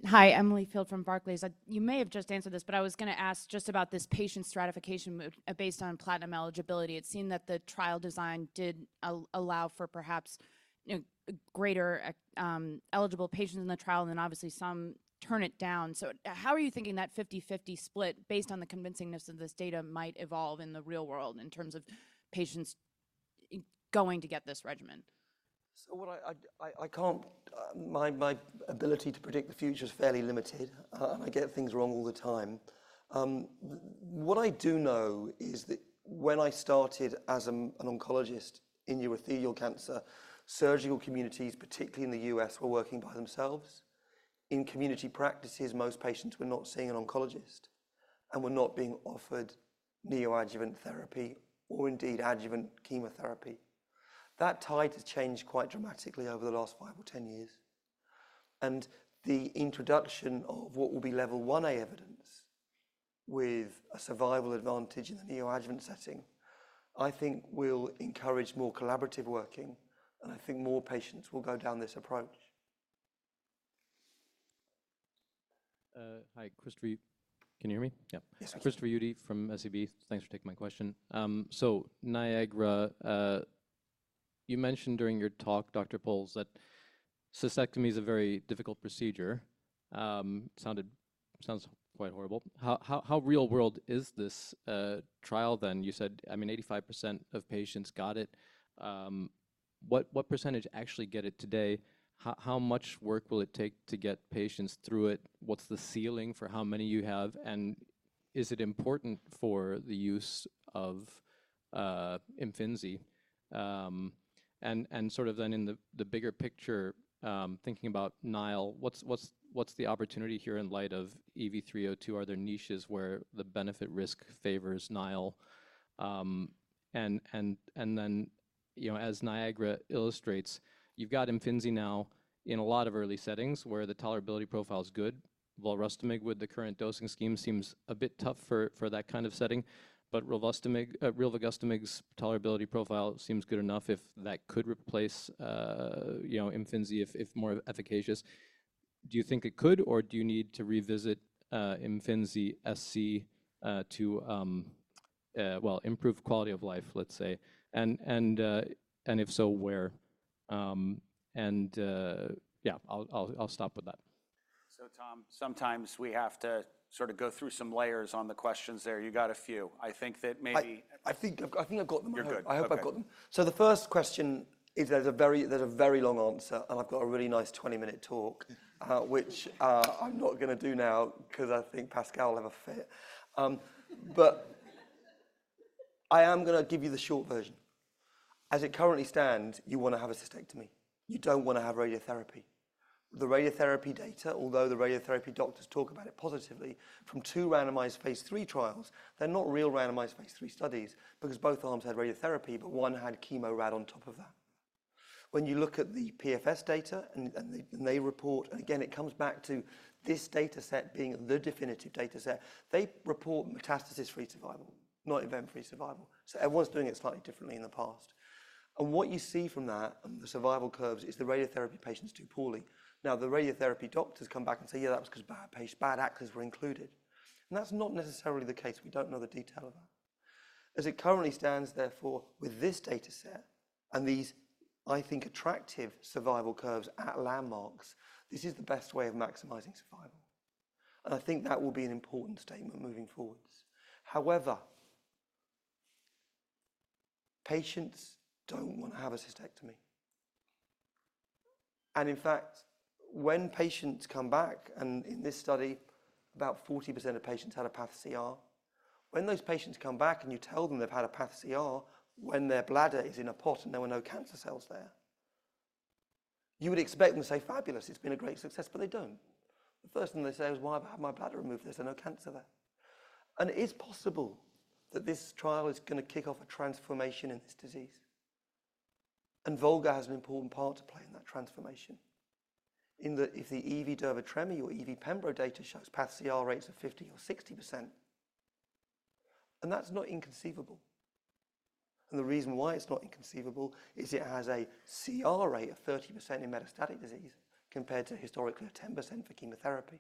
Hi, Emily Field from Barclays. You may have just answered this, but I was gonna ask just about this patient stratification more based on platinum eligibility. It seemed that the trial design did allow for perhaps, you know, greater eligible patients in the trial, and then obviously, some turn it down. So how are you thinking that fifty-fifty split, based on the convincingness of this data, might evolve in the real world in terms of patients going to get this regimen? So what I can't. My ability to predict the future is fairly limited. I get things wrong all the time. What I do know is that when I started as an oncologist in urothelial cancer, surgical communities, particularly in the U.S., were working by themselves. In community practices, most patients were not seeing an oncologist and were not being offered neoadjuvant therapy or indeed adjuvant chemotherapy. That tide has changed quite dramatically over the last five or 10 years, and the introduction of what will be Level One A evidence with a survival advantage in the neoadjuvant setting, I think will encourage more collaborative working, and I think more patients will go down this approach. Hi, Chris Ruitenberg. Can you hear me? Yeah. Yes, I can. Chris Ruitenberg from SEB. Thanks for taking my question. So NIAGARA, you mentioned during your talk, Dr. Powles, that cystectomy is a very difficult procedure. Sounds quite horrible. How real world is this trial then? You said, I mean, 85% of patients got it. What percentage actually get it today? How much work will it take to get patients through it? What's the ceiling for how many you have, and is it important for the use of Imfinzi? And sort of then in the bigger picture, thinking about NILE, what's the opportunity here in light of EV-302? Are there niches where the benefit-risk favors NILE? You know, as NIAGARA illustrates, you've got Imfinzi now in a lot of early settings where the tolerability profile is good, while volrustomig, with the current dosing scheme, seems a bit tough for that kind of setting, but rilvogostimig's tolerability profile seems good enough if that could replace, you know, Imfinzi, if more efficacious. Do you think it could, or do you need to revisit Imfinzi SC to, well, improve quality of life, let's say? If so, where? Yeah, I'll stop with that. So Tom, sometimes we have to sort of go through some layers on the questions there. You got a few. I think that maybe- I think I've got them. You're good. I hope I've got them. Okay. The first question is there's a very long answer, and I've got a really nice 20-minute talk, which I'm not gonna do now because I think Pascal will have a fit. But I am gonna give you the short version. As it currently stands, you wanna have a cystectomy. You don't wanna have radiotherapy. The radiotherapy data, although the radiotherapy doctors talk about it positively, from two randomized phase III trials, they're not real randomized phase III studies because both arms had radiotherapy, but one had chemo rad on top of that. When you look at the PFS data and they report. And again, it comes back to this dataset being the definitive dataset. They report metastasis-free survival, not event-free survival. Everyone's doing it slightly differently in the past. What you see from that on the survival curves is the radiotherapy patients do poorly. Now, the radiotherapy doctors come back and say: "Yeah, that was 'cause bad actors were included." And that's not necessarily the case. We don't know the detail of that. As it currently stands, therefore, with this dataset and these, I think, attractive survival curves at landmarks, this is the best way of maximizing survival, and I think that will be an important statement moving forwards. However, patients don't want to have a cystectomy, and in fact, when patients come back, and in this study, about 40% of patients had a PathCR. When those patients come back and you tell them they've had a PathCR when their bladder is in a pot and there were no cancer cells there, you would expect them to say, "Fabulous, it's been a great success," but they don't. The first thing they say is, "Why have I had my bladder removed? There's no cancer there." And it is possible that this trial is gonna kick off a transformation in this disease, and VOLGA has an important part to play in that transformation. If the EV-durva-tremi or EV-pembro data shows PathCR rates of 50% or 60%, and that's not inconceivable, and the reason why it's not inconceivable is it has a CR rate of 30% in metastatic disease compared to historically 10% for chemotherapy.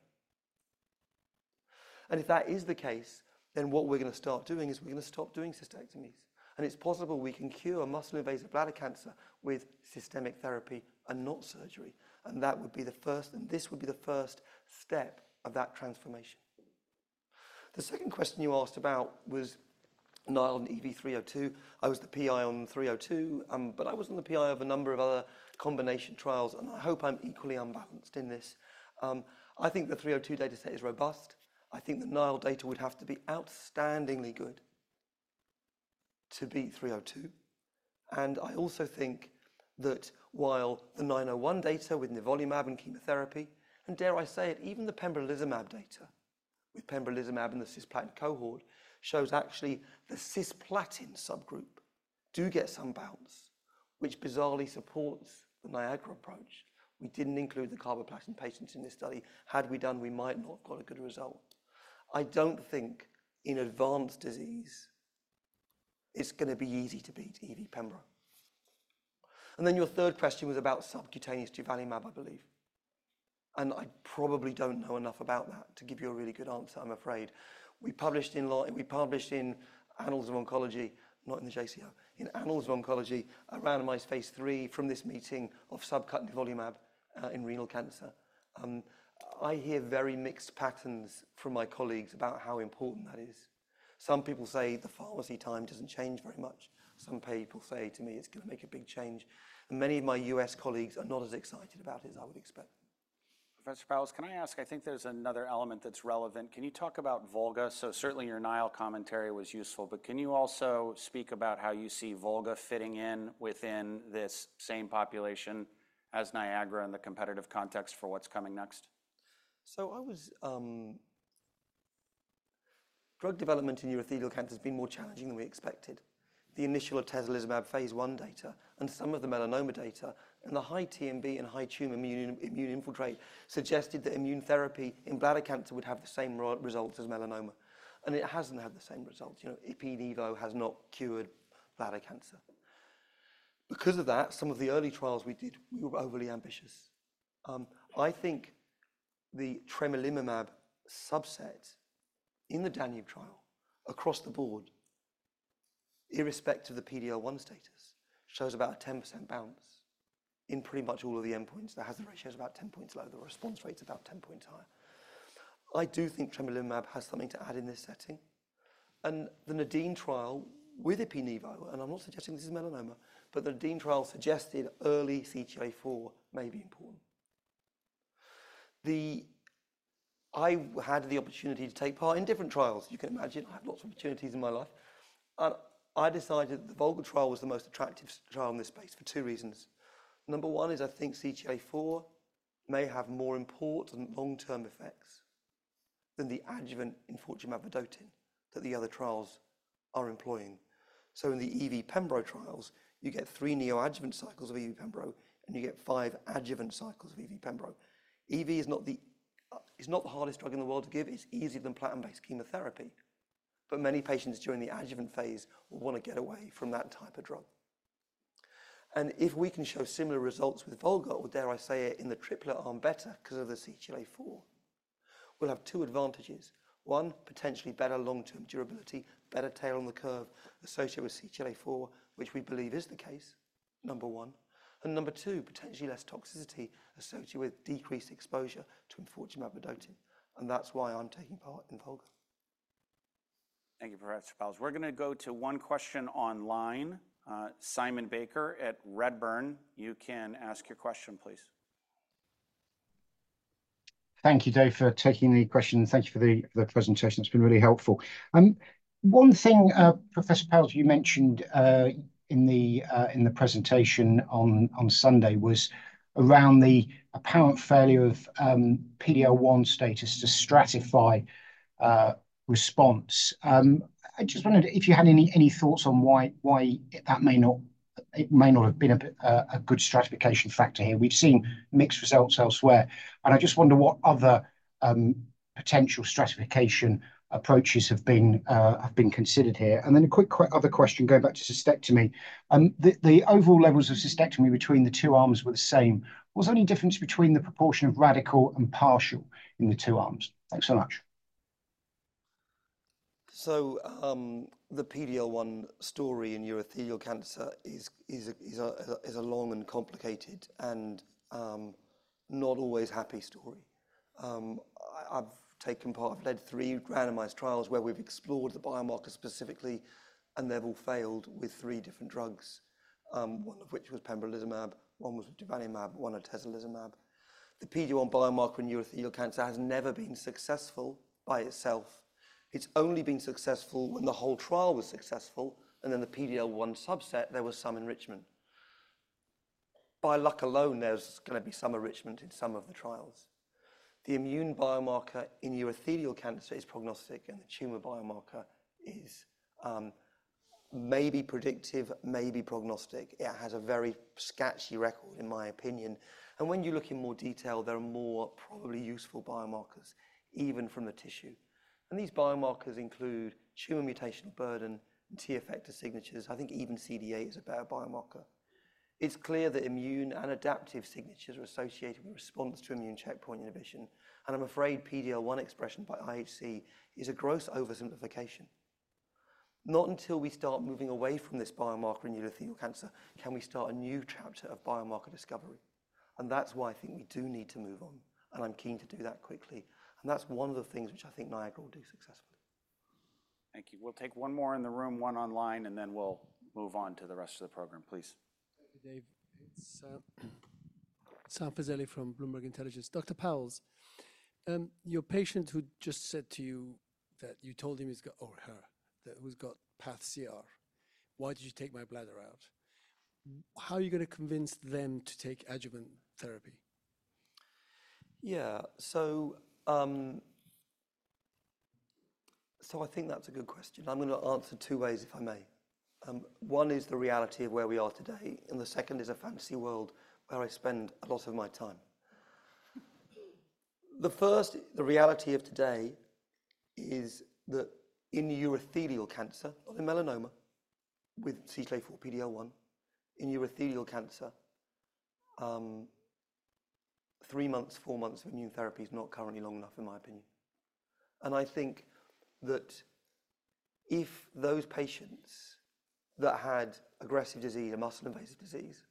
If that is the case, then what we're gonna start doing is we're gonna stop doing cystectomies, and it's possible we can cure muscle-invasive bladder cancer with systemic therapy and not surgery, and that would be the first step of that transformation. The second question you asked about was NILE and EV-302. I was the PI on the 302, but I was the PI of a number of other combination trials, and I hope I'm equally unbiased in this. I think the 302 dataset is robust. I think the NILE data would have to be outstandingly good to be 302. I also think that while the 901 data with nivolumab and chemotherapy, and dare I say it, even the pembrolizumab data with pembrolizumab and the cisplatin cohort, shows actually the cisplatin subgroup do get some bounce, which bizarrely supports the NIAGARA approach. We didn't include the carboplatin patients in this study. Had we done, we might not have got a good result. I don't think in advanced disease, it's gonna be easy to beat EV-pembro. Your third question was about subcutaneous durvalumab, I believe, and I probably don't know enough about that to give you a really good answer, I'm afraid. We published in Annals of Oncology, not in the JCO. In Annals of Oncology, a randomized phase III from this meeting of subcut nivolumab in renal cancer. I hear very mixed patterns from my colleagues about how important that is. Some people say the pharmacy time doesn't change very much. Some people say to me, "It's gonna make a big change," and many of my U.S. colleagues are not as excited about it as I would expect. Professor Powles, can I ask? I think there's another element that's relevant. Can you talk about VOLGA? So certainly, your NILE commentary was useful, but can you also speak about how you see VOLGA fitting in within this same population as NIAGARA in the competitive context for what's coming next? Drug development in urothelial cancer has been more challenging than we expected. The initial atezolizumab phase I data and some of the melanoma data, and the high TMB and high tumor immune infiltrate suggested that immune therapy in bladder cancer would have the same results as melanoma, and it hasn't had the same results. You know, ipi/nivo has not cured bladder cancer. Because of that, some of the early trials we did, we were overly ambitious. I think the tremelimumab subset in the DANUBE trial, across the board, irrespective of the PD-L1 status, shows about a 10% bounce in pretty much all of the endpoints. The hazard ratio is about 10 points low, the response rate is about 10 points higher. I do think Tremelimumab has something to add in this setting, and the NADIM trial with ipi/nivo, and I'm not suggesting this is melanoma, but the NADIM trial suggested early CTLA-4 may be important. I had the opportunity to take part in different trials. You can imagine, I had lots of opportunities in my life. I decided the VOLGA trial was the most attractive trial in this space for two reasons. Number one is, I think CTLA-4 may have more important long-term effects than the adjuvant enfortumab vedotin that the other trials are employing. So in the EV-pembro trials, you get three neoadjuvant cycles of EV-pembro, and you get five adjuvant cycles of EV-pembro. EV is not the hardest drug in the world to give. It's easier than platinum-based chemotherapy, but many patients during the adjuvant phase will wanna get away from that type of drug, and if we can show similar results with VOLGA, or dare I say it, in the triplet arm better 'cause of the CTLA-4, we'll have two advantages: one, potentially better long-term durability, better tail on the curve associated with CTLA-4, which we believe is the case, number one; and number two, potentially less toxicity associated with decreased exposure to enfortumab vedotin, and that's why I'm taking part in VOLGA. Thank you, Professor Powles. We're gonna go to one question online. Simon Baker at Redburn, you can ask your question, please. Thank you, Dave, for taking the question, and thank you for the presentation. It's been really helpful. One thing, Professor Powles, you mentioned in the presentation on Sunday was around the apparent failure of PD-L1 status to stratify response. I just wondered if you had any thoughts on why that may not, it may not have been a good stratification factor here. We've seen mixed results elsewhere, and I just wonder what other potential stratification approaches have been considered here. And then other question, going back to cystectomy. The overall levels of cystectomy between the two arms were the same. Was there any difference between the proportion of radical and partial in the two arms? Thanks so much. The PD-L1 story in urothelial cancer is a long and complicated and not always happy story. I've taken part, I've led three randomized trials where we've explored the biomarker specifically, and they've all failed with three different drugs, one of which was pembrolizumab, one was durvalumab, one atezolizumab. The PD-1 biomarker in urothelial cancer has never been successful by itself. It's only been successful when the whole trial was successful, and then the PD-L1 subset, there was some enrichment. By luck alone, there's gonna be some enrichment in some of the trials. The immune biomarker in urothelial cancer is prognostic, and the tumor biomarker is maybe predictive, maybe prognostic. It has a very sketchy record, in my opinion, and when you look in more detail, there are more probably useful biomarkers, even from the tissue, and these biomarkers include tumor mutation burden and T effector signatures. I think even ctDNA is a better biomarker. It's clear that immune and adaptive signatures are associated with response to immune checkpoint inhibition, and I'm afraid PD-L1 expression by IHC is a gross oversimplification. Not until we start moving away from this biomarker in urothelial cancer can we start a new chapter of biomarker discovery, and that's why I think we do need to move on, and I'm keen to do that quickly, and that's one of the things which I think NIAGARA will do successfully. Thank you. We'll take one more in the room, one online, and then we'll move on to the rest of the program, please. Thank you, Dave. It's Sam Fazeli from Bloomberg Intelligence. Dr. Powles, your patient who just said to you that you told him he's got, or her, that who's got PathCR, "Why did you take my bladder out?" How are you gonna convince them to take adjuvant therapy? Yeah. So, so I think that's a good question. I'm gonna answer two ways, if I may. One is the reality of where we are today, and the second is a fantasy world where I spend a lot of my time. The first, the reality of today is that in urothelial cancer, not in melanoma, with CTLA-4 PD-L1, in urothelial cancer, three months, four months of immune therapy is not currently long enough, in my opinion. And I think that if those patients that had aggressive disease and muscle-invasive disease,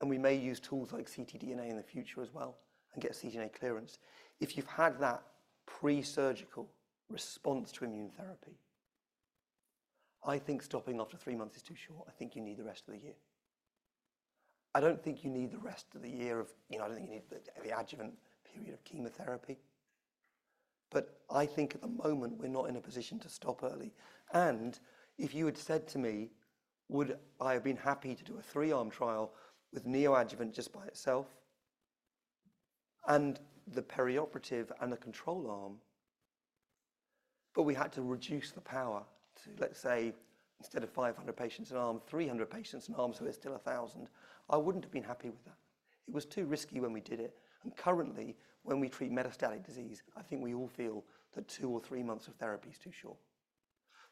and we may use tools like ctDNA in the future as well and get ctDNA clearance, if you've had that pre-surgical response to immune therapy, I think stopping after three months is too short. I think you need the rest of the year. I don't think you need the rest of the year of, you know, I don't think you need the adjuvant period of chemotherapy, but I think at the moment we're not in a position to stop early. And if you had said to me, would I have been happy to do a three-arm trial with neoadjuvant just by itself and the perioperative and the control arm, but we had to reduce the power to, let's say, instead of 500 patients an arm, 300 patients an arm, so there's still 1,000, I wouldn't have been happy with that. It was too risky when we did it, and currently, when we treat metastatic disease, I think we all feel that two or three months of therapy is too short.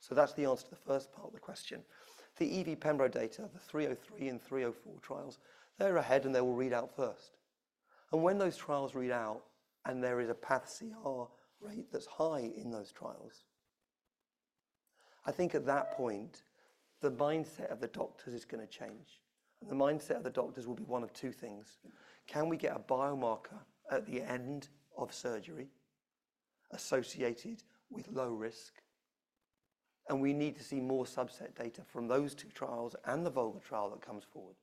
So that's the answer to the first part of the question. The EV-Pembro data, the 303 and 304 trials, they're ahead, and they will read out first, and when those trials read out and there is a PathCR rate that's high in those trials, I think at that point, the mindset of the doctors is gonna change, and the mindset of the doctors will be one of two things: Can we get a biomarker at the end of surgery associated with low risk, and we need to see more subset data from those two trials and the VOLGA trial that comes forward,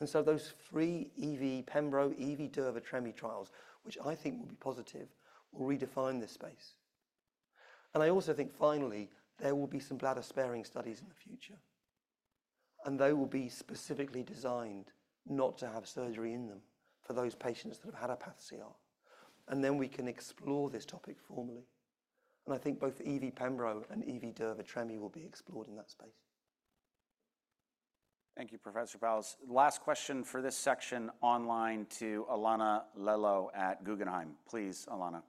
and so those three EV-Pembro, EV-Durva-Tremi trials, which I think will be positive, will redefine this space. And I also think finally, there will be some bladder-sparing studies in the future, and they will be specifically designed not to have surgery in them for those patients that have had a PathCR, and then we can explore this topic formally. And I think both EV-Pembro and EV-Durva-Tremi will be explored in that space. Thank you, Professor Powles. Last question for this section online to Alana Lello at Guggenheim. Please, Alana.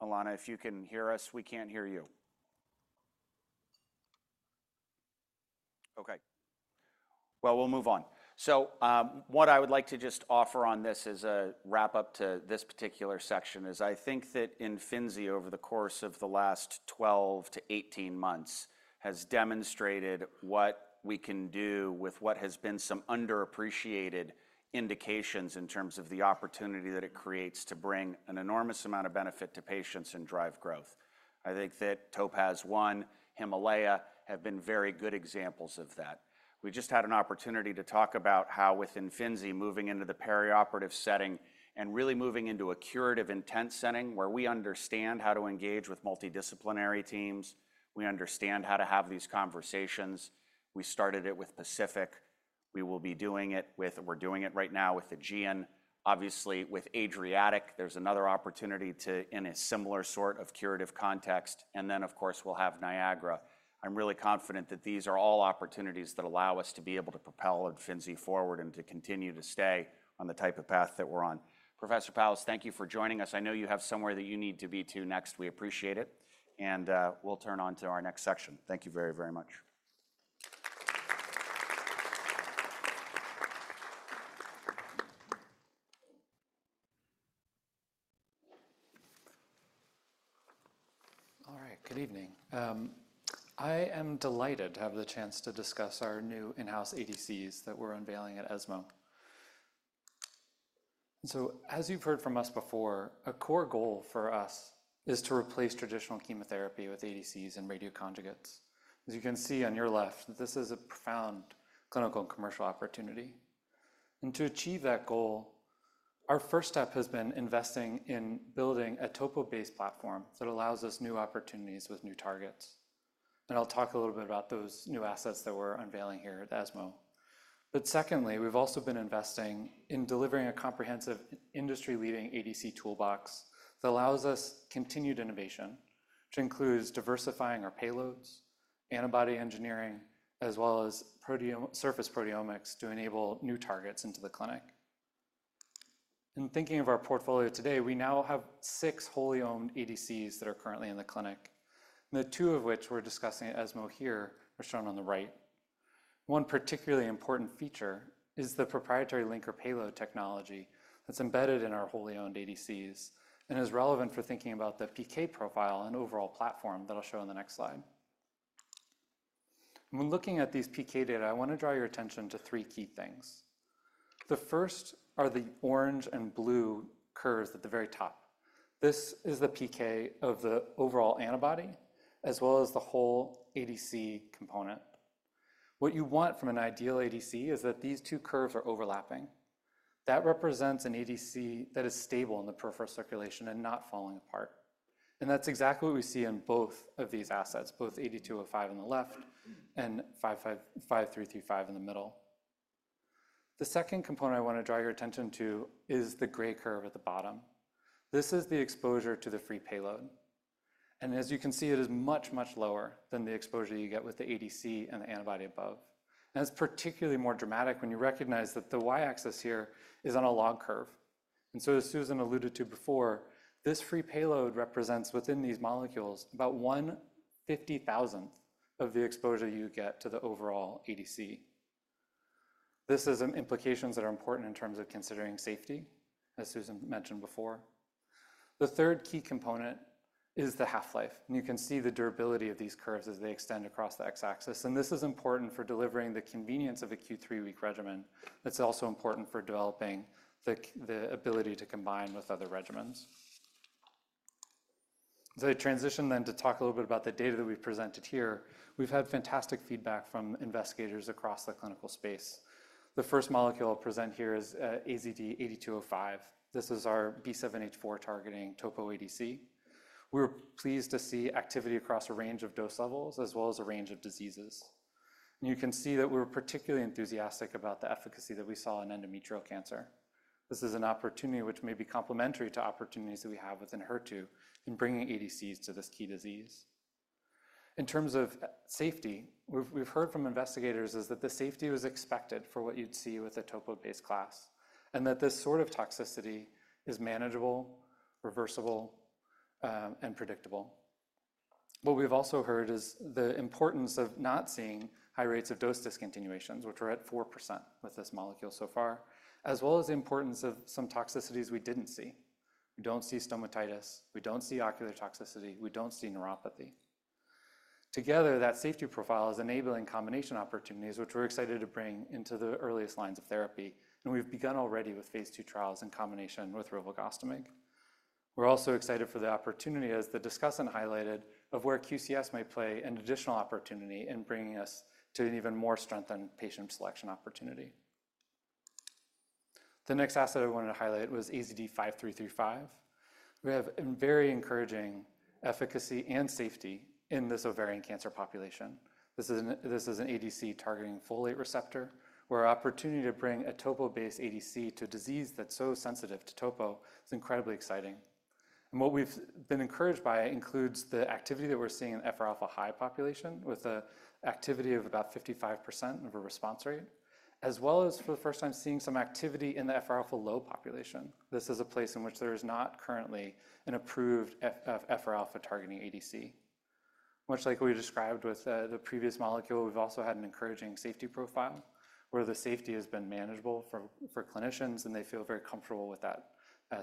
Alana, if you can hear us, we can't hear you. Okay, well, we'll move on. What I would like to just offer on this as a wrap-up to this particular section is I think that Imfinzi, over the course of the last 12 to 18 months, has demonstrated what we can do with what has been some underappreciated indications in terms of the opportunity that it creates to bring an enormous amount of benefit to patients and drive growth. I think that TOPAZ-1, HIMALAYA, have been very good examples of that. We just had an opportunity to talk about how with Imfinzi moving into the perioperative setting and really moving into a curative intent setting where we understand how to engage with multidisciplinary teams, we understand how to have these conversations. We started it with PACIFIC. We will be doing it with, we're doing it right now with AEGEAN, obviously with ADRIATIC. There's another opportunity to, in a similar sort of curative context, and then of course, we'll have NIAGARA. I'm really confident that these are all opportunities that allow us to be able to propel Imfinzi forward and to continue to stay on the type of path that we're on. Professor Powles, thank you for joining us. I know you have somewhere that you need to be to next. We appreciate it, and we'll turn to our next section. Thank you very, very much. All right. Good evening. I am delighted to have the chance to discuss our new in-house ADCs that we're unveiling at ESMO. So, as you've heard from us before, a core goal for us is to replace traditional chemotherapy with ADCs and radioconjugates. As you can see on your left, this is a profound clinical and commercial opportunity, and to achieve that goal, our first step has been investing in building a topo-based platform that allows us new opportunities with new targets. And I'll talk a little bit about those new assets that we're unveiling here at ESMO. But secondly, we've also been investing in delivering a comprehensive industry-leading ADC toolbox that allows us continued innovation, which includes diversifying our payloads, antibody engineering, as well as proteomics, surface proteomics to enable new targets into the clinic. In thinking of our portfolio today, we now have six wholly owned ADCs that are currently in the clinic, and the two of which we're discussing at ESMO here are shown on the right. One particularly important feature is the proprietary linker payload technology that's embedded in our wholly owned ADCs and is relevant for thinking about the PK profile and overall platform that I'll show on the next slide, and when looking at these PK data, I want to draw your attention to three key things. The first are the orange and blue curves at the very top. This is the PK of the overall antibody, as well as the whole ADC component. What you want from an ideal ADC is that these two curves are overlapping. That represents an ADC that is stable in the peripheral circulation and not falling apart. And that's exactly what we see in both of these assets, both AZD8205 on the left and AZD5335 in the middle. The second component I want to draw your attention to is the gray curve at the bottom. This is the exposure to the free payload, and as you can see, it is much, much lower than the exposure you get with the ADC and the antibody above. And it's particularly more dramatic when you recognize that the y-axis here is on a log curve. And so, as Susan alluded to before, this free payload represents within these molecules about 150,000th of the exposure you get to the overall ADC. This is implications that are important in terms of considering safety, as Susan mentioned before. The third key component is the half-life, and you can see the durability of these curves as they extend across the x-axis, and this is important for delivering the convenience of a Q3-week regimen. It's also important for developing the ability to combine with other regimens. As I transition then to talk a little bit about the data that we've presented here, we've had fantastic feedback from investigators across the clinical space. The first molecule I'll present here is AZD8205. This is our B7-H4-targeting topo ADC. We were pleased to see activity across a range of dose levels, as well as a range of diseases. And you can see that we're particularly enthusiastic about the efficacy that we saw in endometrial cancer. This is an opportunity which may be complementary to opportunities that we have within HER2 in bringing ADCs to this key disease. In terms of safety, we've heard from investigators is that the safety was expected for what you'd see with a TROP2-based class, and that this sort of toxicity is manageable, reversible, and predictable. What we've also heard is the importance of not seeing high rates of dose discontinuations, which are at 4% with this molecule so far, as well as the importance of some toxicities we didn't see. We don't see stomatitis, we don't see ocular toxicity, we don't see neuropathy. Together, that safety profile is enabling combination opportunities, which we're excited to bring into the earliest lines of therapy, and we've begun already with phase II trials in combination with rilvogostimig. We're also excited for the opportunity, as the discussant highlighted, of where QCS might play an additional opportunity in bringing us to an even more strengthened patient selection opportunity. The next asset I wanted to highlight was AZD5335. We have a very encouraging efficacy and safety in this ovarian cancer population. This is an ADC targeting folate receptor, where our opportunity to bring a topo-based ADC to a disease that's so sensitive to topo is incredibly exciting. And what we've been encouraged by includes the activity that we're seeing in FR alpha high population, with an activity of about 55% response rate, as well as for the first time, seeing some activity in the FR alpha low population. This is a place in which there is not currently an approved FR alpha targeting ADC. Much like we described with the previous molecule, we've also had an encouraging safety profile, where the safety has been manageable for clinicians, and they feel very comfortable with that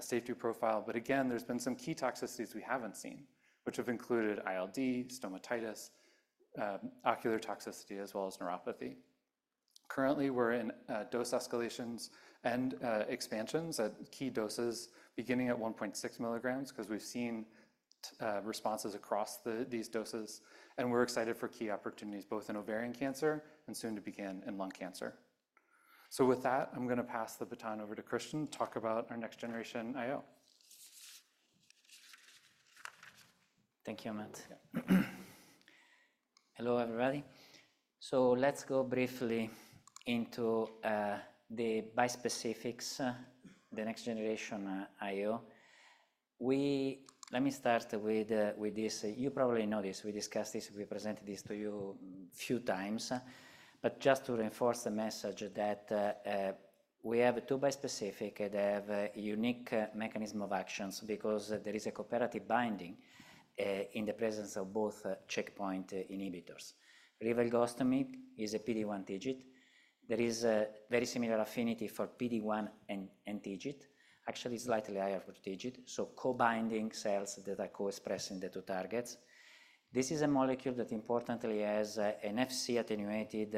safety profile. But again, there's been some key toxicities we haven't seen, which have included ILD, stomatitis, ocular toxicity, as well as neuropathy. Currently, we're in dose escalations and expansions at key doses, beginning at 1.6 milligrams, 'cause we've seen responses across these doses, and we're excited for key opportunities, both in ovarian cancer and soon to begin in lung cancer. So with that, I'm going to pass the baton over to Christian to talk about our next generation IO. Thank you, Matt. Hello, everybody. So let's go briefly into the bispecifics, the next generation IO. We-- Let me start with this. You probably know this. We discussed this, we presented this to you a few times, but just to reinforce the message that we have two bispecific, they have a unique mechanism of actions because there is a cooperative binding in the presence of both checkpoint inhibitors. Rilvogostimig is a PD-1 TIGIT. There is a very similar affinity for PD-1 and TIGIT, actually slightly higher for TIGIT, so co-binding cells that are co-expressing the two targets. This is a molecule that importantly has an Fc attenuated.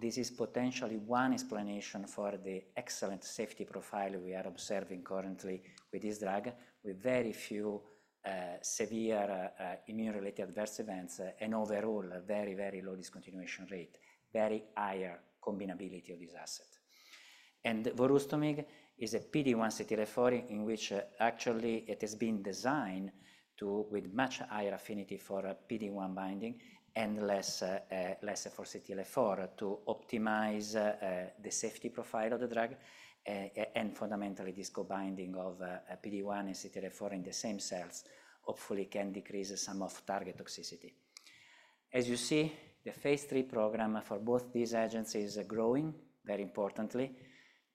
This is potentially one explanation for the excellent safety profile we are observing currently with this drug, with very few, severe, immune-related adverse events and overall, a very, very low discontinuation rate, very higher combinability of this asset. volrustomig is a PD-1 CTLA-4 in which actually it has been designed to with much higher affinity for PD-1 binding and less for CTLA-4, to optimize the safety profile of the drug, and fundamentally, this co-binding of PD-1 and CTLA-4 in the same cells hopefully can decrease some of target toxicity. As you see, the phase III program for both these agents is growing very importantly.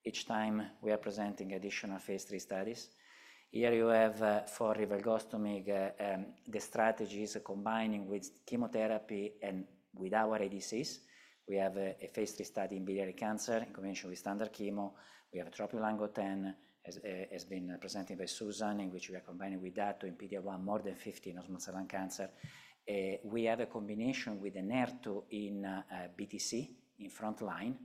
Each time we are presenting additional phase III studies. Here you have for rilvogostimig the strategies combining with chemotherapy and with our ADCs. We have a phase III study in biliary cancer in combination with standard chemo. We have TROPION-Lung10, as has been presented by Susan, in which we are combining with that to PD-L1 more than 50 non-small cell lung cancer. We have a combination with an HER2 in BTC in frontline,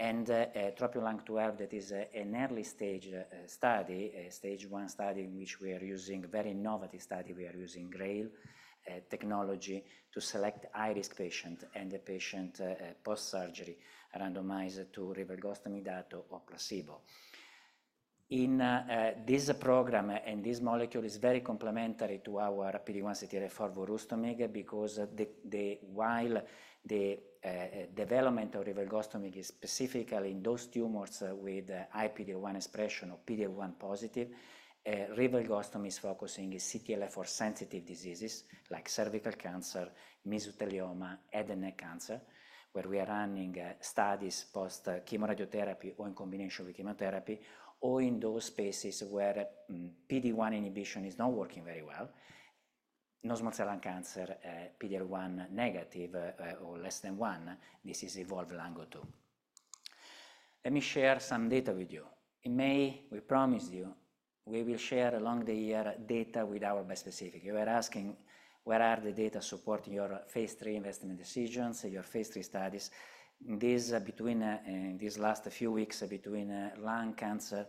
and TROPION-Lung12, that is an early stage study, a stage one study in which we are using very novel study. We are using GRAIL technology to select high-risk patient and the patient post-surgery, randomized to Dato-DXd or placebo. In this program, and this molecule is very complementary to our PD-1 CTLA-4 volrustomig, because the, the-- while the development of rilvogostimig is specifically in those tumors with high PD-L1 expression or PD-L1 positive, rilvogostimig is focusing CTLA-4 sensitive diseases like cervical cancer, mesothelioma, head and neck cancer, where we are running studies post chemo radiotherapy or in combination with chemotherapy, or in those spaces where PD-1 inhibition is not working very well. Non-small cell lung cancer, PD-L1 negative, or less than one, this is EVOLVE-Lung02. Let me share some data with you. In May, we promised you we will share along the year data with our bispecific. You were asking, where are the data supporting your phase III investment decisions or your phase III studies? These last few weeks between lung cancer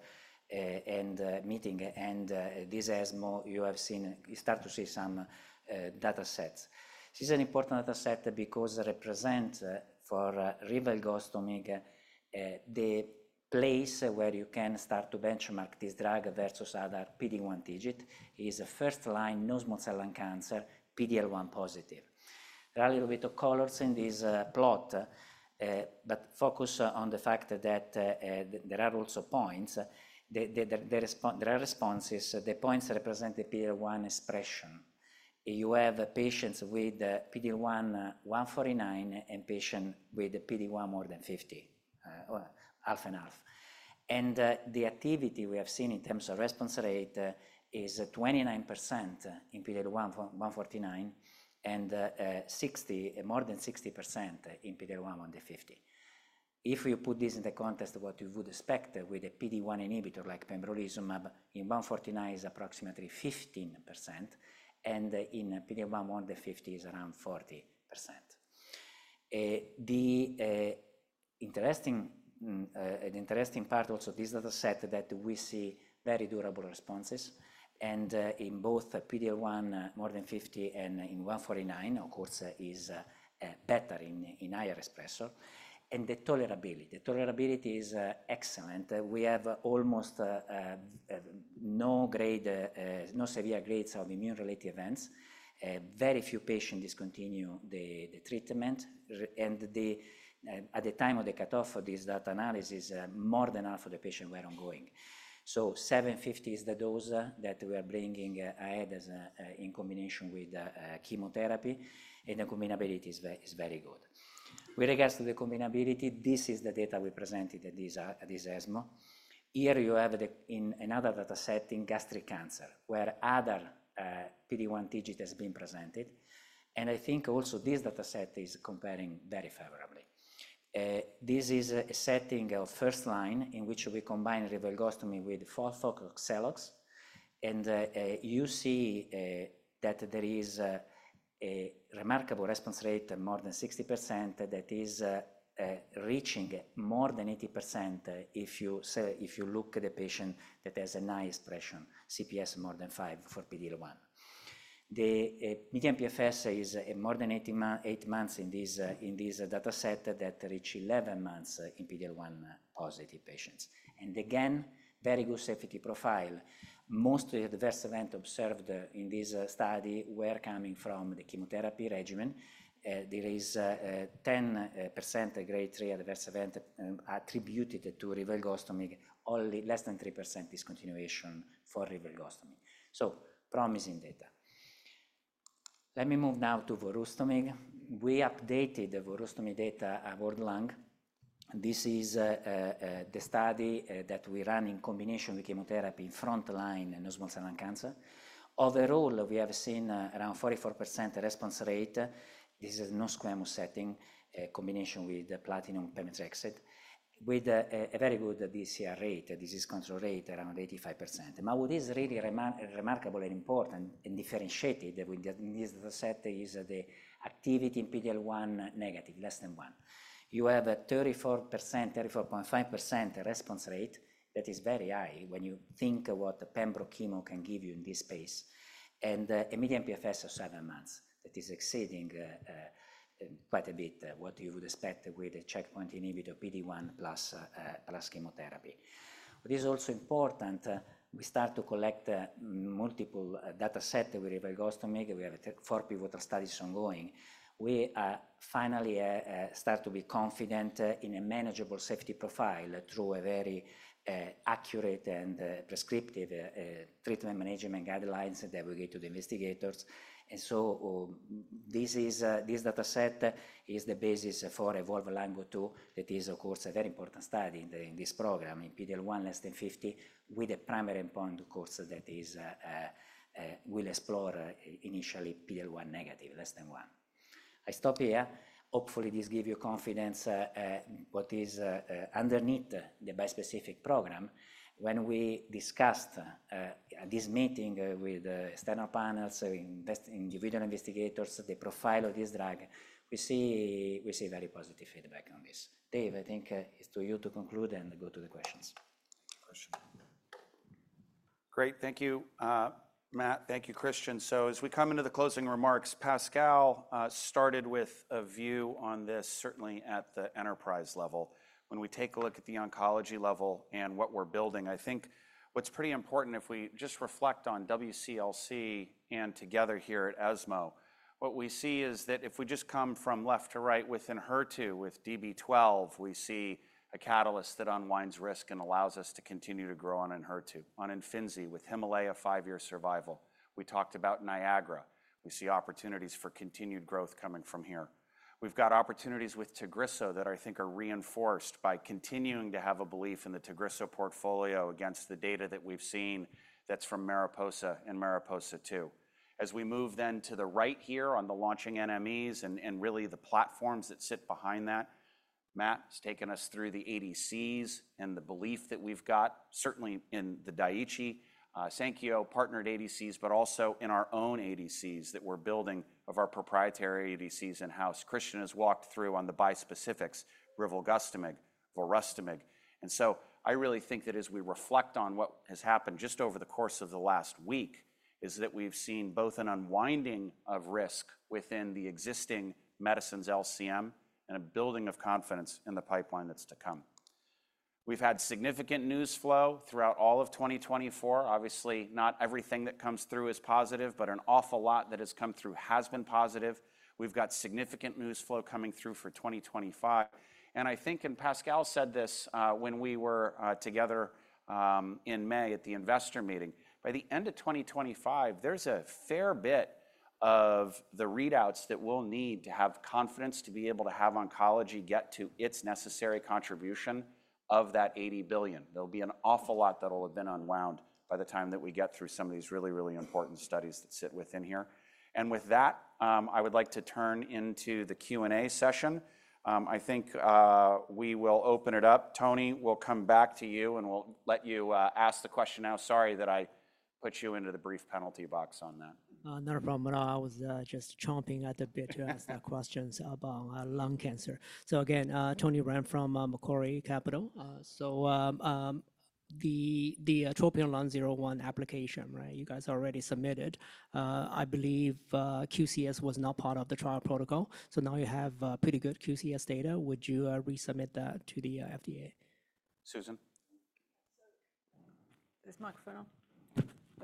meeting and this ESMO you have seen you start to see some data sets. This is an important data set because it represent for rilvogostimig the place where you can start to benchmark this drug versus other PD-1 TIGIT. It is a first-line non-small cell lung cancer, PD-L1 positive. There are a little bit of colors in this plot but focus on the fact that there are also points. There are responses. The points represent the PD-L1 expression. You have patients with PD-L1 1-49 and patient with PD-L1 more than fifty or half and half. The activity we have seen in terms of response rate is 29% in PD-L1 1-49, and more than 60% in PD-L1 over 50. If we put this in the context of what you would expect with a PD-1 inhibitor like pembrolizumab, in 1-49 is approximately 15%, and in PD-L1 more than 50 is around 40%. An interesting part also of this data set that we see very durable responses, and in both PD-L1 more than 50 and in 1-49, of course, is better in higher expression. The tolerability is excellent. We have almost no severe grades of immune-related events. Very few patients discontinue the treatment, and at the time of the cutoff of this data analysis, more than half of the patients were ongoing. So 750 is the dose that we are bringing ahead as a in combination with chemotherapy, and the combinability is very good. With regards to the combinability, this is the data we presented at this ESMO. Here you have the in another data set in gastric cancer, where other PD-1 TIGIT has been presented, and I think also this data set is comparing very favorably. This is a setting of first line in which we combine rilvogostimig with FOLFOX, and you see that there is a remarkable response rate, more than 60%, that is reaching more than 80%, if you look at the patient that has a high expression, CPS more than 5 for PD-L1. The median PFS is more than eight months in this data set, that reaches eleven months in PD-L1 positive patients. And again, very good safety profile. Most of the adverse event observed in this study were coming from the chemotherapy regimen. There is 10% grade three adverse event attributed to rilvogostimig, only less than 3% discontinuation for rilvogostimig. So promising data. Let me move now to volrustomig. We updated the volrustomig data at World Lung. This is the study that we ran in combination with chemotherapy in front line in non-small cell lung cancer. Overall, we have seen around 44% response rate. This is a non-squamous setting, a combination with platinum pemetrexed, with a very good DCR rate, disease control rate, around 85%. Now, what is really remarkable and important and differentiated with this data set is the activity in PD-L1 negative, less than one. You have a 34%, 34.5% response rate. That is very high when you think of what the pembro chemo can give you in this space, and a median PFS of seven months. That is exceeding quite a bit what you would expect with a checkpoint inhibitor, PD-1 plus chemotherapy. But it's also important, we start to collect multiple data set with rilvogostimig. We have four pivotal studies ongoing. We are finally start to be confident in a manageable safety profile through a very accurate and prescriptive treatment management guidelines that we give to the investigators. And so, this is this data set is the basis for EVOLVE-Lung02. That is, of course, a very important study in this program, in PD-L1 less than 50, with a primary endpoint, of course, that is will explore initially PD-L1 negative, less than one. I stop here. Hopefully, this give you confidence what is underneath the bispecific program. When we discussed this meeting with external panels, so individual investigators, the profile of this drug, we see very positive feedback on this. Dave, I think it's to you to conclude and go to the questions. Great, thank you, Matt. Thank you, Christian. So as we come into the closing remarks, Pascal started with a view on this, certainly at the enterprise level. When we take a look at the oncology level and what we're building, I think what's pretty important, if we just reflect on WCLC and together here at ESMO, what we see is that if we just come from left to right within HER2, with DB-12, we see a catalyst that unwinds risk and allows us to continue to grow on in HER2. On Imfinzi, with HIMALAYA five-year survival, we talked about NIAGARA. We see opportunities for continued growth coming from here. We've got opportunities with Tagrisso that I think are reinforced by continuing to have a belief in the Tagrisso portfolio against the data that we've seen that's from MARIPOSA and MARIPOSA-2. As we move then to the right here on the launching NMEs and, really the platforms that sit behind that, Matt has taken us through the ADCs and the belief that we've got, certainly in the Daiichi Sankyo partnered ADCs, but also in our own ADCs that we're building of our proprietary ADCs in-house. Christian has walked through on the bispecifics, Rilvogostimig, volrustomig. And so I really think that as we reflect on what has happened just over the course of the last week, is that we've seen both an unwinding of risk within the existing medicines LCM and a building of confidence in the pipeline that's to come. We've had significant news flow throughout all of 2024. Obviously, not everything that comes through is positive, but an awful lot that has come through has been positive. We've got significant news flow coming through for 2025, and I think, and Pascal said this, when we were, together, in May at the investor meeting: by the end of 2025, there's a fair bit of the readouts that we'll need to have confidence to be able to have oncology get to its necessary contribution of that $80 billion. There'll be an awful lot that will have been unwound by the time that we get through some of these really, really important studies that sit within here, and with that, I would like to turn to the Q&A session. I think we will open it up. Tony, we'll come back to you, and we'll let you ask the question now. Sorry that I put you into the brief penalty box on that. Not a problem at all. I was just chomping at the bit to ask the questions about lung cancer. So again, Tony Ren from Macquarie Capital. So, the TROPION-Lung01 application, right? You guys already submitted. I believe QCS was not part of the trial protocol, so now you have pretty good QCS data. Would you resubmit that to the FDA? Susan? Is this microphone on?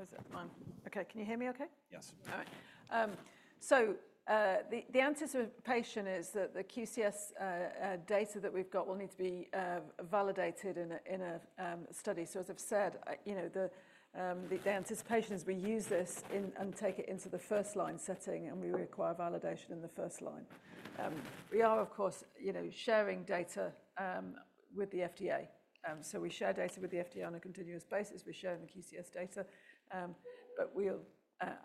Is it on? Okay, can you hear me okay? Yes. All right. So, the anticipation is that the QCS data that we've got will need to be validated in a study. So as I've said, you know, the anticipation is we use this in and take it into the first line setting, and we require validation in the first line. We are, of course, you know, sharing data with the FDA. So we share data with the FDA on a continuous basis. We're sharing the QCS data, but we'll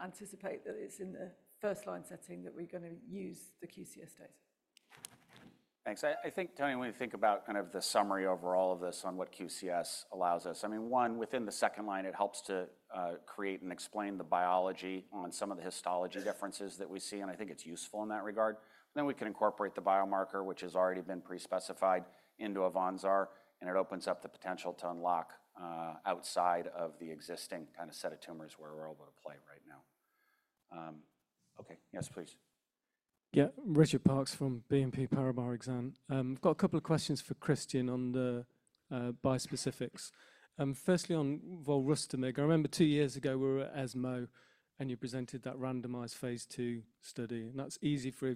anticipate that it's in the first line setting that we're gonna use the QCS data. Thanks. I think, Tony, when we think about kind of the summary overall of this on what QCS allows us, I mean, one, within the second line, it helps to create and explain the biology on some of the histology differences that we see, and I think it's useful in that regard. Then we can incorporate the biomarker, which has already been pre-specified into AVANZAR, and it opens up the potential to unlock outside of the existing kind of set of tumors where we're able to play right now. Okay. Yes, please. Yeah. Richard Parkes from BNP Paribas Exane. I've got a couple of questions for Christian on the bispecifics. Firstly, on volrustomig, I remember two years ago, we were at ESMO, and you presented that randomized phase II study, and that's easy for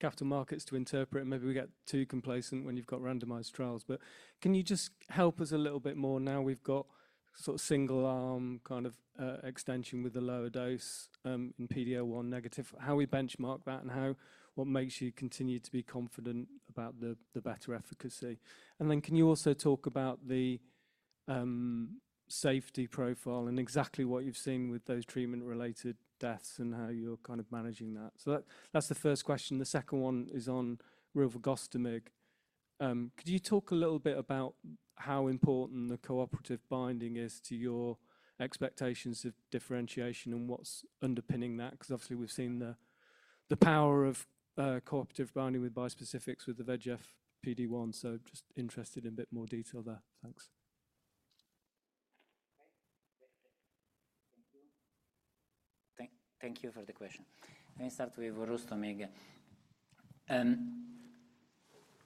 capital markets to interpret, and maybe we get too complacent when you've got randomized trials. But can you just help us a little bit more now we've got sort of single arm kind of extension with a lower dose in PD-L1 negative? How we benchmark that and how what makes you continue to be confident about the better efficacy? And then can you also talk about the safety profile and exactly what you've seen with those treatment-related deaths and how you're kind of managing that? So that's the first question. The second one is on rilvogostimig. Could you talk a little bit about how important the cooperative binding is to your expectations of differentiation and what's underpinning that? Because obviously, we've seen the power of cooperative binding with bispecifics, with the VEGF-PD-1, so just interested in a bit more detail there. Thanks. Thank you for the question. Let me start with volrustomig.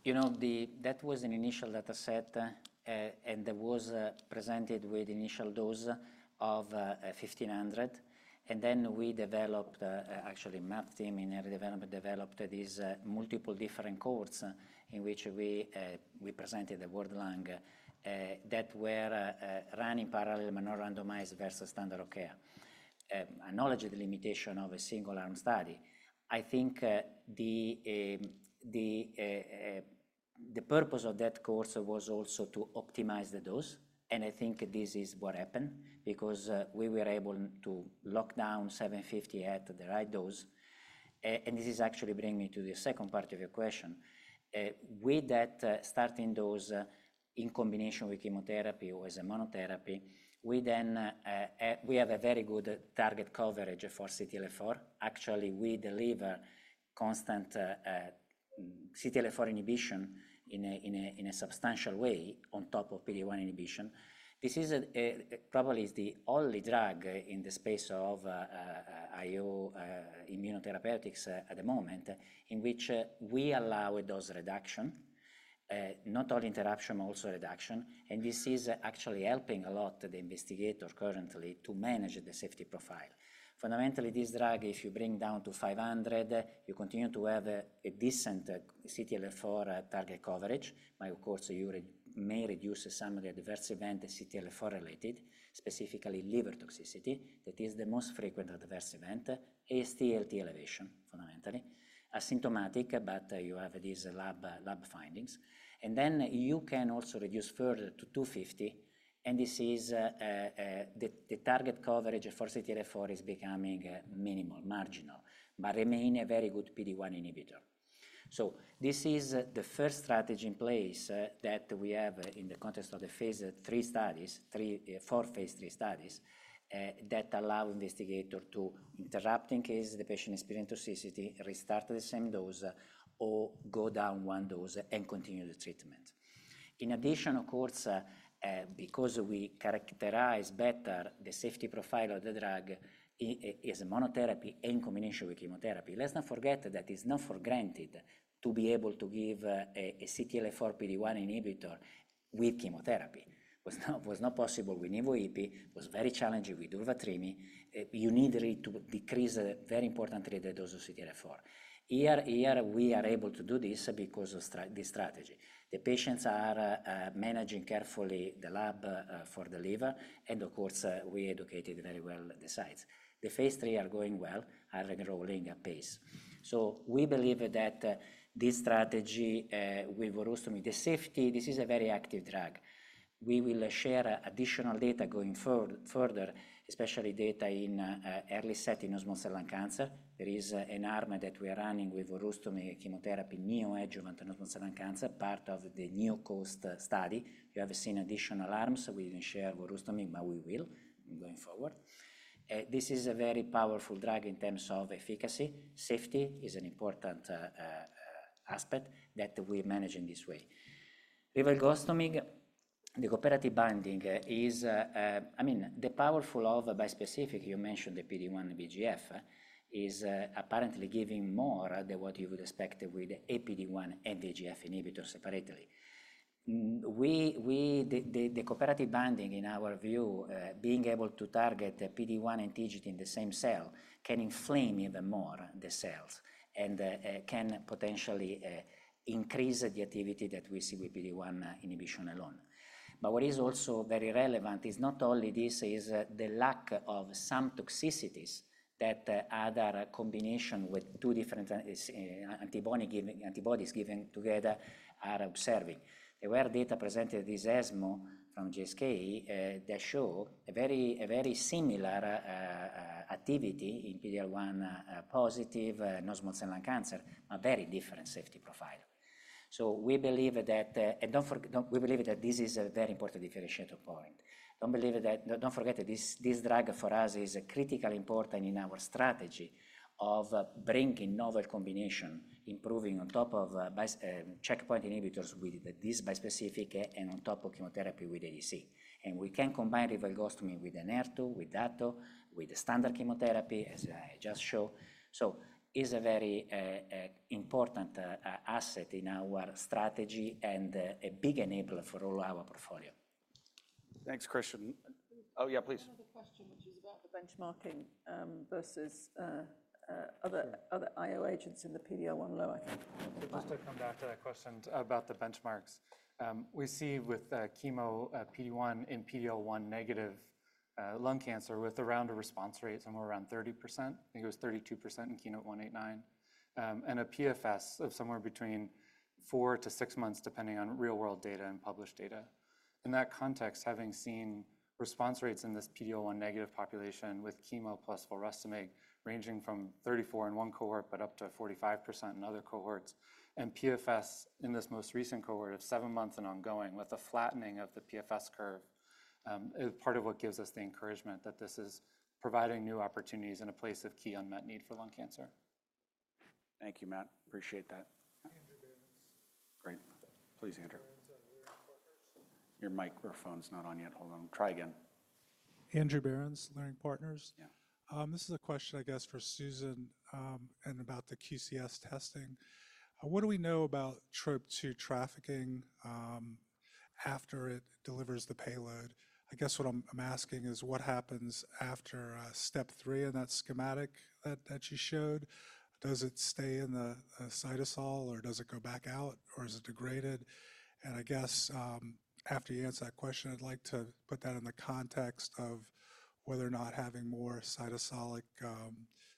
You know, that was an initial data set, and that was presented with initial dose of 1,500. And then we developed, actually, our team in early development developed these multiple different cohorts in which we presented the TROPION-Lung that were running parallel but not randomized versus standard of care. Acknowledge the limitation of a single-arm study. I think the purpose of that cohort was also to optimize the dose, and I think this is what happened because we were able to lock down 750 at the right dose. And this is actually bringing me to the second part of your question. With that starting dose in combination with chemotherapy or as a monotherapy, we then we have a very good target coverage for CTLA-4. Actually, we deliver constant CTLA-4 inhibition in a substantial way on top of PD-1 inhibition. This is probably is the only drug in the space of IO immunotherapeutics at the moment, in which we allow a dose reduction. Not only interruption, also reduction, and this is actually helping a lot the investigator currently to manage the safety profile. Fundamentally, this drug, if you bring down to five hundred, you continue to have a decent CTLA-4 target coverage. But of course, you may reduce some of the adverse event, the CTLA-4 related, specifically liver toxicity. That is the most frequent adverse event, AST/ALT elevation, fundamentally. Asymptomatic, but you have these lab findings. And then you can also reduce further to two fifty, and this is the target coverage for CTLA-4 is becoming minimal, marginal, but remain a very good PD-1 inhibitor. So this is the first strategy in place that we have in the context of the phase III studies, three, four phase III studies that allow investigator to interrupt in case the patient experience toxicity, restart the same dose, or go down one dose and continue the treatment. In addition, of course, because we characterize better the safety profile of the drug, i.e., as a monotherapy and in combination with chemotherapy. Let's not forget that it's not for granted to be able to give a CTLA-4 PD-1 inhibitor with chemotherapy. Was not possible with nivolumab, was very challenging with Durvalumab. You need really to decrease very importantly the dose of CTLA-4. Here we are able to do this because of this strategy. The patients are managing carefully the lab for the liver, and of course we educated very well the sites. The phase III are going well, are enrolling at a pace. So we believe that this strategy with volrustomig, the safety, this is a very active drug. We will share additional data going further, especially data in early setting non-small cell lung cancer. There is an arm that we are running with volrustomig chemotherapy, neoadjuvant and non-small cell lung cancer, part of the NeoCOAST study. You have seen additional arms. We didn't share volrustomig, but we will going forward. This is a very powerful drug in terms of efficacy. Safety is an important aspect that we manage in this way. With rilvogostimig, the cooperative binding is. I mean, the power of bispecific, you mentioned the PD-1 and VEGF, is apparently giving more than what you would expect with a PD-1 and VEGF inhibitor separately. The cooperative binding, in our view, being able to target the PD-1 and TIGIT in the same cell, can engage even more the cells, and can potentially increase the activity that we see with PD-1 inhibition alone. But what is also very relevant is not only this, is the lack of some toxicities that other combination with two different antibodies given together are observing. There were data presented this ESMO from GSK that show a very similar activity in PD-L1 positive non-small cell lung cancer, a very different safety profile. So we believe that and don't forget we believe that this is a very important differentiator point. Don't forget that this drug for us is critically important in our strategy of bringing novel combination, improving on top of bispecific checkpoint inhibitors with this bispecific and on top of chemotherapy with ADC. And we can combine rilvogostimig with a HER2, with Dato, with standard chemotherapy, as I just showed. So it's a very important asset in our strategy and a big enabler for all our portfolio. Thanks, Christian. Oh, yeah, please. Another question, which is about the benchmarking versus other IO agents in the PD-L1 low, I think. Just to come back to that question about the benchmarks. We see with chemo, PD-1 in PD-L1 negative lung cancer with around a response rate, somewhere around 30%. I think it was 32% in KEYNOTE-189. And a PFS of somewhere between four to six months, depending on real-world data and published data. In that context, having seen response rates in this PD-L1 negative population with chemo plus volrustomig ranging from 34% in one cohort, but up to 45% in other cohorts, and PFS in this most recent cohort of seven months and ongoing, with a flattening of the PFS curve, is part of what gives us the encouragement that this is providing new opportunities in a place of key unmet need for lung cancer. Thank you, Matt. Appreciate that. Andrew Berens. Great. Please, Andrew... your microphone's not on yet. Hold on. Try again. Andrew Berens, Leerink Partners. Yeah. This is a question, I guess, for Susan, and about the QCS testing. What do we know about TROP2 trafficking after it delivers the payload? I guess what I'm asking is, what happens after step three in that schematic that you showed? Does it stay in the cytosol, or does it go back out, or is it degraded? And I guess, after you answer that question, I'd like to put that in the context of whether or not having more cytosolic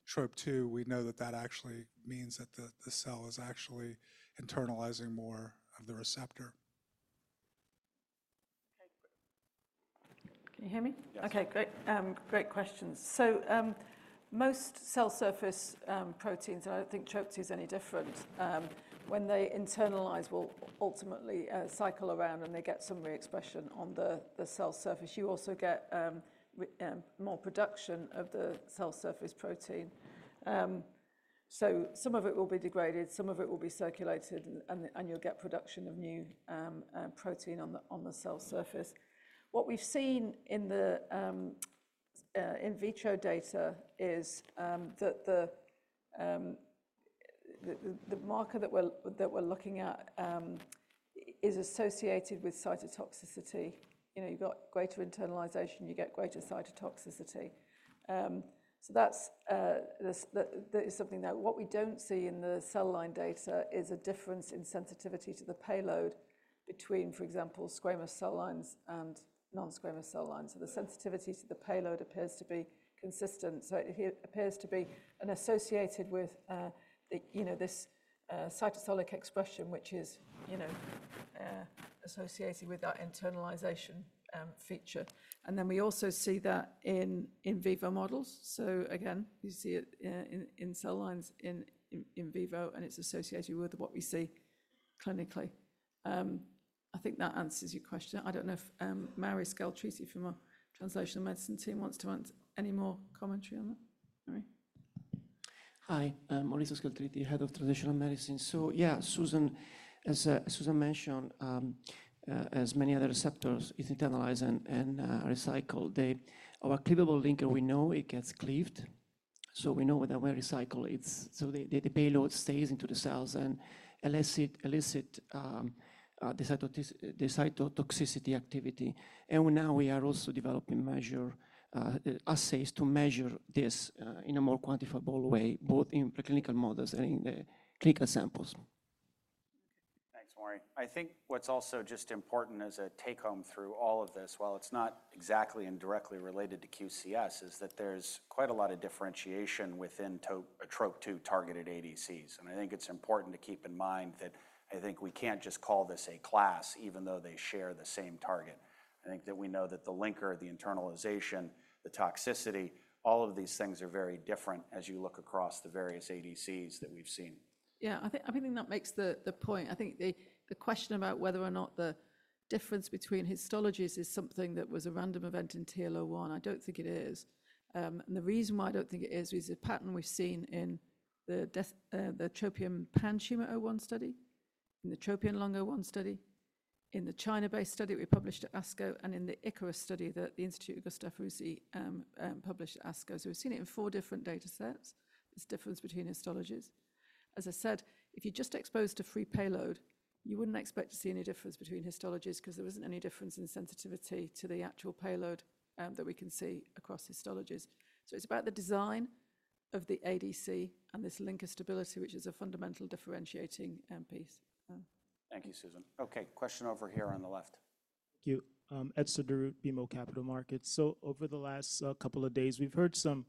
TROP2, we know that that actually means that the cell is actually internalizing more of the receptor. Okay. Can you hear me? Yes. Okay, great. Great questions. So, most cell surface proteins, and I don't think TROP2 is any different, when they internalize, will ultimately cycle around, and they get some reexpression on the cell surface. You also get more production of the cell surface protein. So some of it will be degraded, some of it will be recycled, and you'll get production of new protein on the cell surface. What we've seen in the in vitro data is that the marker that we're looking at is associated with cytotoxicity. You know, you've got greater internalization, you get greater cytotoxicity. So, what we don't see in the cell line data is a difference in sensitivity to the payload between, for example, squamous cell lines and non-squamous cell lines. So the sensitivity to the payload appears to be consistent. So it appears to be unassociated with, you know, this cytosolic expression, which is, you know, associated with that internalization feature. And then we also see that in vivo models. So again, you see it in cell lines, in vivo, and it's associated with what we see clinically. I think that answers your question. I don't know if Mauri Scaltriti from our Translational Medicine team wants to add any more commentary on that? Mauri? Hi, I'm Mauri Scaltriti, Head of Translational Medicine. So yeah, Susan, as Susan mentioned, as many other receptors is internalized and recycled, our cleavable linker, we know it gets cleaved, so we know that when we recycle it, so the payload stays into the cells and elicit the cytotoxicity activity, and now we are also developing measurement assays to measure this in a more quantifiable way, both in preclinical models and in the clinical samples. Thanks, Mauri. I think what's also just important as a take-home through all of this, while it's not exactly and directly related to QCS, is that there's quite a lot of differentiation within TROP2-targeted ADCs. And I think it's important to keep in mind that I think we can't just call this a class, even though they share the same target. I think that we know that the linker, the internalization, the toxicity, all of these things are very different as you look across the various ADCs that we've seen. Yeah, I think that makes the point. I think the question about whether or not the difference between histologies is something that was a random event in TL01. I don't think it is. And the reason why I don't think it is, is the pattern we've seen in the data, the TROPION-PanTumor01 study, in the TROPION-Lung01 study, in the China-based study that we published at ASCO, and in the ICARUS study that the Gustave Roussy Institute published at ASCO. So we've seen it in four different data sets, this difference between histologies. As I said, if you're just exposed to free payload, you wouldn't expect to see any difference between histologies because there isn't any difference in sensitivity to the actual payload that we can see across histologies. It's about the design of the ADC and this linker stability, which is a fundamental differentiating end piece. Thank you, Susan. Okay, question over here on the left. Thank you. Etzer Darout, BMO Capital Markets. So over the last couple of days, we've heard some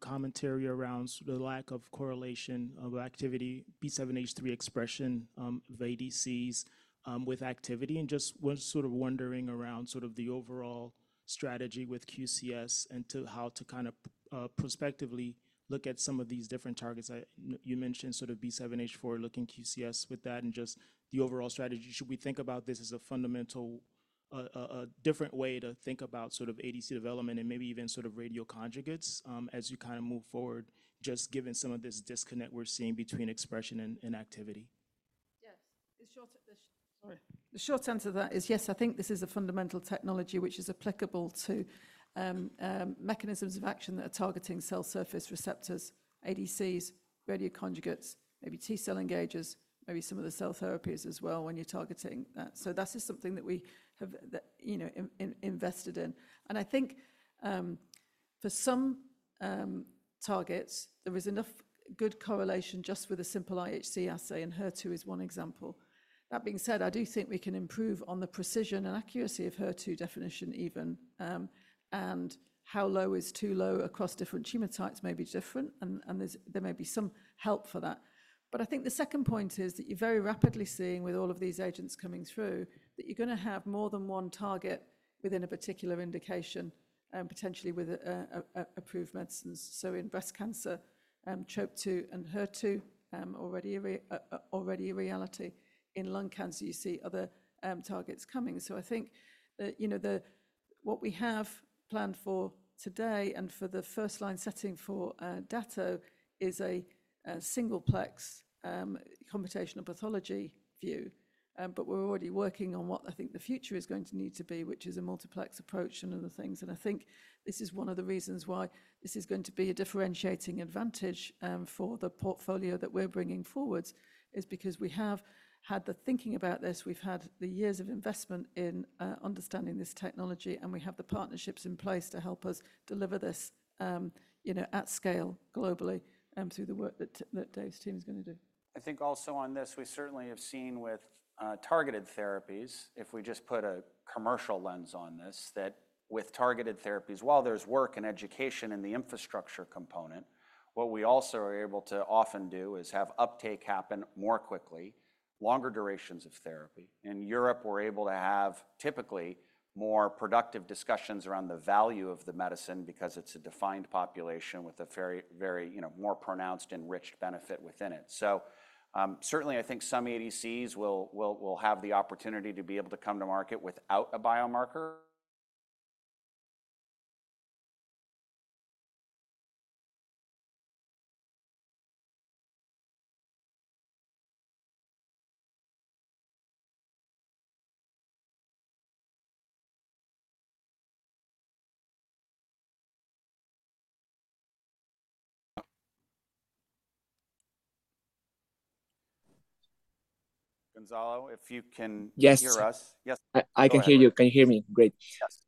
commentary around the lack of correlation of activity, B7-H4 expression, of ADCs, with activity, and just was wondering around the overall strategy with QCS and how to prospectively look at some of these different targets. You mentioned B7-H4 looking QCS with that and just the overall strategy. Should we think about this as a fundamental, a different way to think about ADC development and maybe even radioconjugates, as you move forward, just given some of this disconnect we're seeing between expression and activity? Yes. The short answer to that is yes, I think this is a fundamental technology which is applicable to mechanisms of action that are targeting cell surface receptors, ADCs, radioconjugates, maybe T-cell engagers, maybe some of the cell therapies as well when you're targeting that. So that is something that we have, that, you know, invested in. And I think, for some targets, there is enough good correlation just with a simple IHC assay, and HER2 is one example. That being said, I do think we can improve on the precision and accuracy of HER2 definition even, and how low is too low across different tumor types may be different, and there's, there may be some help for that. But I think the second point is that you're very rapidly seeing with all of these agents coming through, that you're going to have more than one target within a particular indication, potentially with approved medicines. So in breast cancer, TROP2 and HER2, already a reality. In lung cancer, you see other targets coming. So I think you know, what we have planned for today and for the first-line setting for Dato is a singleplex computational pathology view. But we're already working on what I think the future is going to need to be, which is a multiplex approach and other things. And I think this is one of the reasons why this is going to be a differentiating advantage for the portfolio that we're bringing forwards, is because we have had the thinking about this, we've had the years of investment in understanding this technology, and we have the partnerships in place to help us deliver this, you know, at scale globally, through the work that Dave's team is gonna do. I think also on this, we certainly have seen with targeted therapies, if we just put a commercial lens on this, that with targeted therapies, while there's work and education in the infrastructure component, what we also are able to often do is have uptake happen more quickly, longer durations of therapy. In Europe, we're able to have typically more productive discussions around the value of the medicine because it's a defined population with a very, very, you know, more pronounced enriched benefit within it. So, certainly I think some ADCs will have the opportunity to be able to come to market without a biomarker. Gonzalo, if you can hear us? Yes. Yes. I can hear you. Go ahead. Can you hear me? Great. Yes.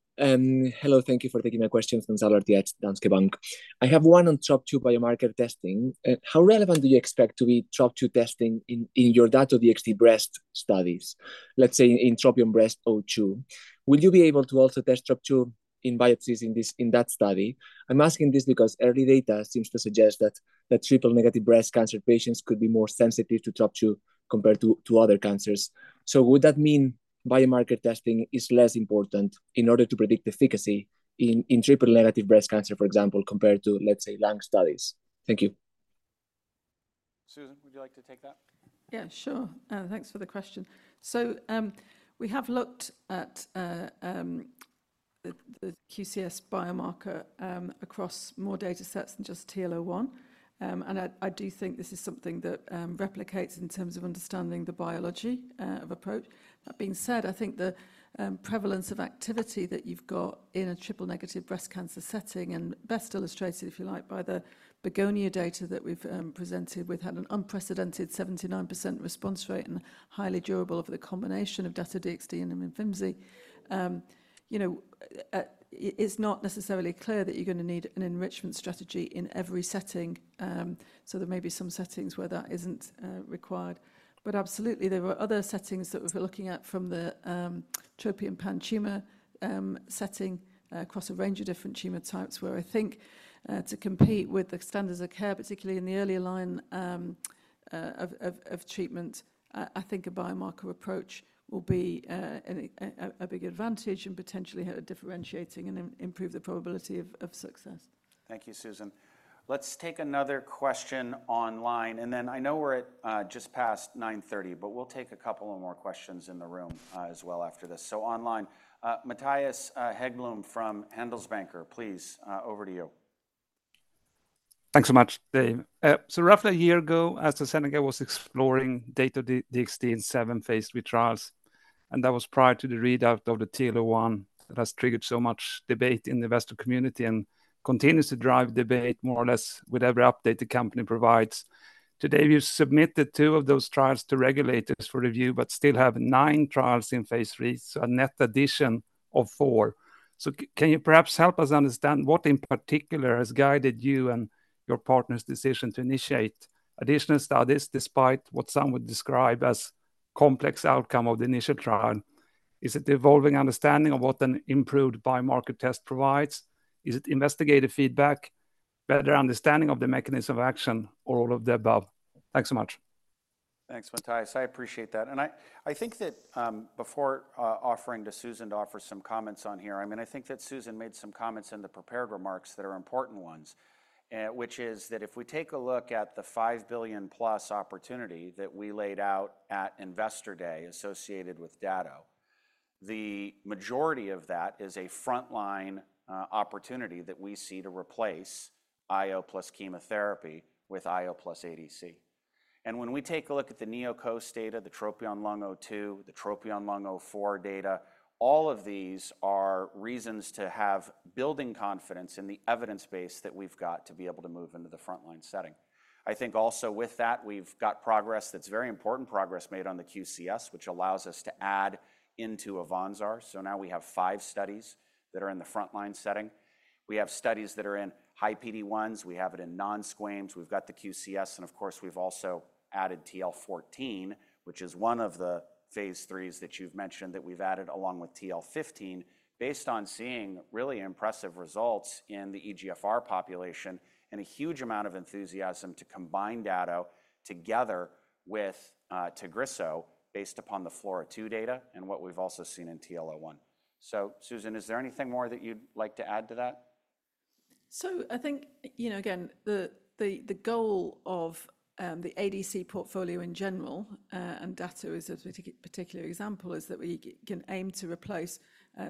Hello, thank you for taking my questions. Gonzalo Artiach, Danske Bank. I have one on TROP2 biomarker testing. How relevant do you expect to be TROP2 testing in your Dato-DXd breast studies? Let's say in TROPION-Breast02. Will you be able to also test TROP2 in biopsies in this, in that study? I'm asking this because early data seems to suggest that triple-negative breast cancer patients could be more sensitive to TROP2 compared to other cancers. So would that mean biomarker testing is less important in order to predict efficacy in triple-negative breast cancer, for example, compared to, let's say, lung studies? Thank you. Susan, would you like to take that? Yeah, sure. Thanks for the question. So, we have looked at the QCS biomarker across more data sets than just TL01. And I do think this is something that replicates in terms of understanding the biology of approach. That being said, I think the prevalence of activity that you've got in a triple-negative breast cancer setting, and best illustrated, if you like, by the BEGONIA data that we've presented with, had an unprecedented 79% response rate and highly durable over the combination of Dato-DXd and Imfinzi. You know, it's not necessarily clear that you're gonna need an enrichment strategy in every setting, so there may be some settings where that isn't required. But absolutely, there were other settings that we've been looking at from the TROPION-PanTumor setting across a range of different tumor types, where I think to compete with the standards of care, particularly in the earlier line of treatment, I think a biomarker approach will be a big advantage and potentially differentiating and improve the probability of success. Thank you, Susan. Let's take another question online, and then I know we're at, just past 9:30 A.M., but we'll take a couple of more questions in the room, as well after this. So online, Mattias Häggblom from Handelsbanken, please, over to you. Thanks so much, Dave. So roughly a year ago, AstraZeneca was exploring Dato-DXd in seven phase III trials, and that was prior to the readout of the TL01 that has triggered so much debate in the investor community and continues to drive debate more or less with every update the company provides. Today, you submitted two of those trials to regulators for review, but still have nine trials in phase III, so a net addition of four. So can you perhaps help us understand what in particular has guided you and your partner's decision to initiate additional studies, despite what some would describe as complex outcome of the initial trial? Is it the evolving understanding of what an improved biomarker test provides? Is it investigative feedback, better understanding of the mechanism of action, or all of the above? Thanks so much. Thanks, Mattias. I appreciate that. I think that before offering to Susan to offer some comments on here, I mean, I think that Susan made some comments in the prepared remarks that are important ones, which is that if we take a look at the five billion-plus opportunity that we laid out at Investor Day associated with Dato, the majority of that is a frontline opportunity that we see to replace IO plus chemotherapy with IO plus ADC. And when we take a look at the NeoCOAST data, the TROPION-Lung02, the TROPION-Lung04 data, all of these are reasons to have building confidence in the evidence base that we've got to be able to move into the frontline setting. I think also with that, we've got progress that's very important progress made on the QCS, which allows us to add into AVANZAR. Now we have five studies that are in the frontline setting. We have studies that are in high PD-L1s, we have it in non-squamous, we've got the QCS, and of course, we've also added TL14, which is one of the phase III's that you've mentioned that we've added along with TL15, based on seeing really impressive results in the EGFR population and a huge amount of enthusiasm to combine Dato together with Tagrisso, based upon the FLORA2 data and what we've also seen in TL01. So Susan, is there anything more that you'd like to add to that?... So I think, you know, again, the goal of the ADC portfolio in general, and Dato is a particular example, is that we can aim to replace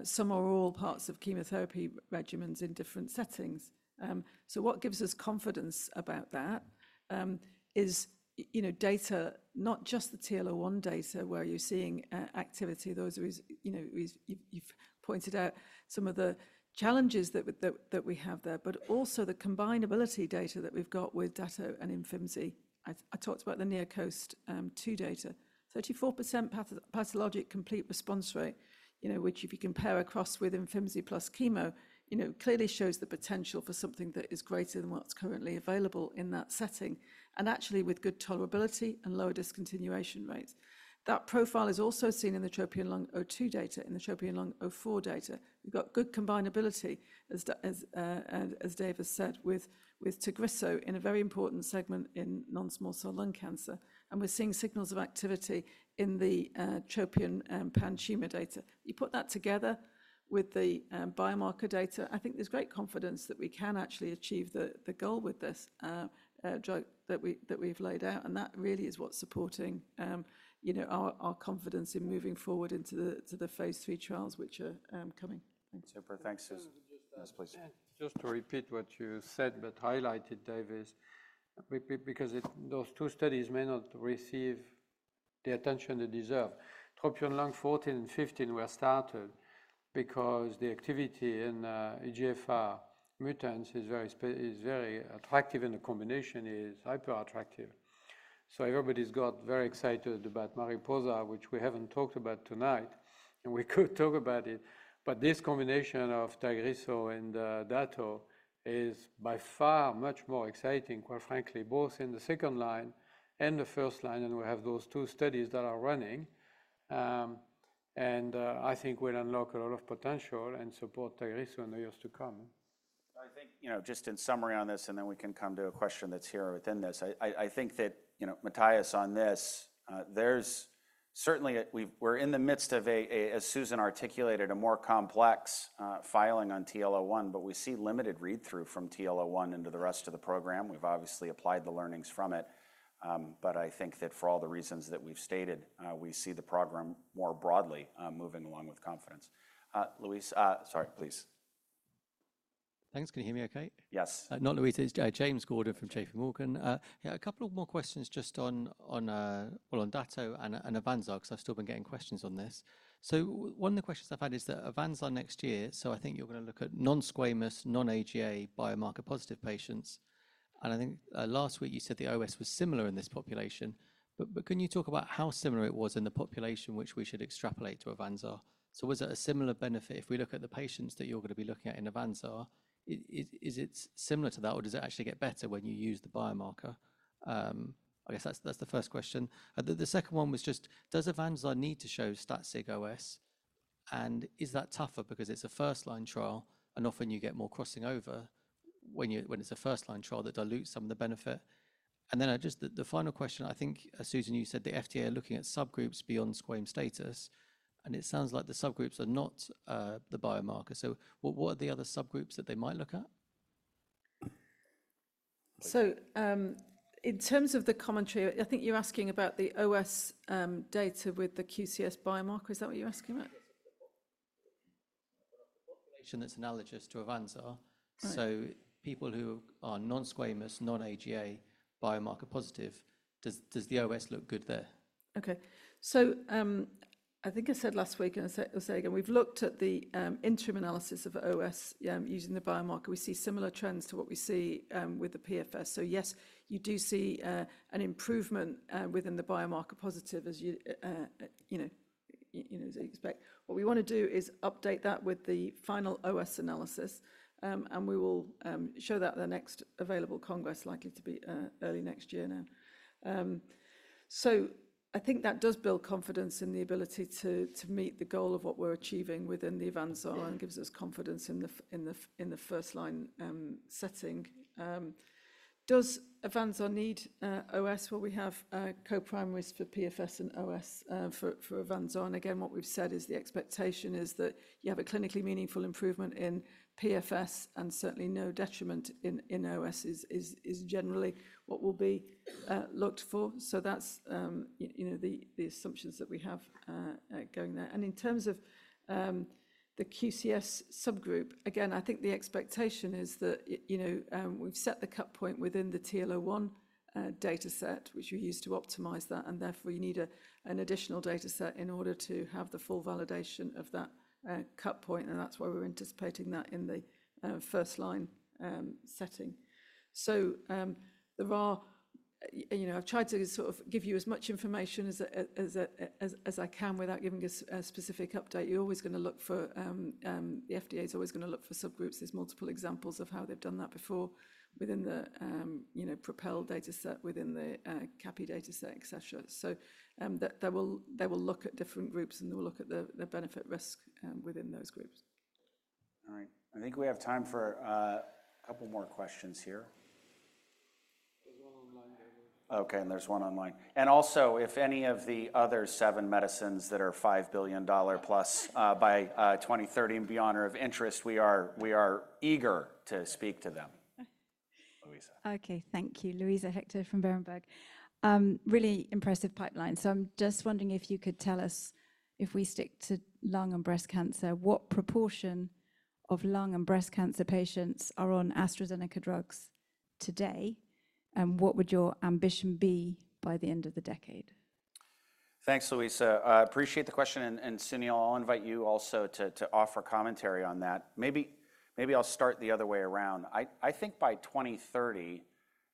some or all parts of chemotherapy regimens in different settings. So what gives us confidence about that is, you know, data, not just the TROPION-Lung01 data, where you're seeing activity. Those are, you know, you've pointed out some of the challenges that we have there, but also the combinability data that we've got with Dato and Imfinzi. I talked about the NeoCOAST-2 data. 34% pathological complete response rate, you know, which if you compare across with Imfinzi plus chemo, you know, clearly shows the potential for something that is greater than what's currently available in that setting, and actually with good tolerability and lower discontinuation rates. That profile is also seen in the TROPION-Lung02 data, in the TROPION-Lung04 data. We've got good combinability, as Dave said, with Tagrisso in a very important segment in non-small cell lung cancer, and we're seeing signals of activity in the TROPION-PanTumor data. You put that together with the biomarker data. I think there's great confidence that we can actually achieve the goal with this drug that we've laid out, and that really is what's supporting, you know, our confidence in moving forward into the phase III trials, which are coming. Thanks, Susan. Thanks, yes, please. Just to repeat what you said, but highlight it, Dave, because those two studies may not receive the attention they deserve. TROPION-Lung14 and TROPION-Lung15 were started because the activity in EGFR mutants is very attractive, and the combination is hyper attractive, so everybody's got very excited about MARIPOSA, which we haven't talked about tonight, and we could talk about it, but this combination of Tagrisso and Dato-DXd is by far much more exciting, quite frankly, both in the second line and the first line, and we have those two studies that are running, and I think we'll unlock a lot of potential and support Tagrisso in the years to come. I think, you know, just in summary on this, and then we can come to a question that's here within this. I think that, you know, Mattias, on this, there's certainly a, as Susan articulated, a more complex filing on TROPION-Lung01, but we see limited read-through from TROPION-Lung01 into the rest of the program. We've obviously applied the learnings from it, but I think that for all the reasons that we've stated, we see the program more broadly, moving along with confidence. Luisa, sorry, please. Thanks. Can you hear me okay? Yes. Not Luis. It's James Gordon from Jefferies. Yeah, a couple more questions just on, well, on Dato and AVANZAR, because I've still been getting questions on this. One of the questions I've had is that AVANZAR next year, so I think you're going to look at non-squamous, non-EGFR, biomarker positive patients. And I think last week you said the OS was similar in this population, but can you talk about how similar it was in the population, which we should extrapolate to AVANZAR? Was it a similar benefit if we look at the patients that you're going to be looking at in AVANZAR, is it similar to that, or does it actually get better when you use the biomarker? I guess that's the first question. The second one was just, does AVANZAR need to show stat sig OS, and is that tougher because it's a first-line trial, and often you get more crossing over when it's a first-line trial that dilutes some of the benefit? And then just the final question, I think, Susan, you said the FDA are looking at subgroups beyond squam status, and it sounds like the subgroups are not the biomarker. So what are the other subgroups that they might look at? In terms of the commentary, I think you're asking about the OS data with the QCS biomarker. Is that what you're asking about? Population that's analogous to AVANZAR. Right. People who are non-squamous, non-EGFR, biomarker positive, does the OS look good there? Okay. So, I think I said last week, and I'll say again, we've looked at the interim analysis of OS using the biomarker. We see similar trends to what we see with the PFS. So yes, you do see an improvement within the biomarker positive, as you know, as you expect. What we want to do is update that with the final OS analysis, and we will show that at the next available congress, likely to be early next year now. So I think that does build confidence in the ability to meet the goal of what we're achieving within the AVANZAR and gives us confidence in the first-line setting. Does AVANZAR need OS? Well, we have co-primaries for PFS and OS for AVANZAR, and again, what we've said is the expectation is that you have a clinically meaningful improvement in PFS, and certainly no detriment in OS is generally what will be looked for. So that's you know the assumptions that we have going there. And in terms of the QCS subgroup, again, I think the expectation is that you know we've set the cut point within the TROPION-Lung01 dataset, which we used to optimize that, and therefore, you need an additional dataset in order to have the full validation of that cut point, and that's why we're anticipating that in the first-line setting. So there are... You know, I've tried to sort of give you as much information as I can without giving a specific update. You're always going to look for the FDA is always going to look for subgroups. There's multiple examples of how they've done that before within the, you know, PROpel dataset, within the CAPI dataset, et cetera, so they will look at different groups, and they will look at the benefit-risk within those groups. All right. I think we have time for a couple more questions here. Okay, and there's one online. And also, if any of the other seven medicines that are $5 billion-plus by 2030 and be of interest, we are eager to speak to them. Louisa. Okay, thank you. Luisa Hector from Berenberg. Really impressive pipeline. So I'm just wondering if you could tell us, if we stick to lung and breast cancer, what proportion of lung and breast cancer patients are on AstraZeneca drugs today, and what would your ambition be by the end of the decade? Thanks, Louisa. I appreciate the question, and Sunil, I'll invite you also to offer commentary on that. Maybe I'll start the other way around. I think by 2030,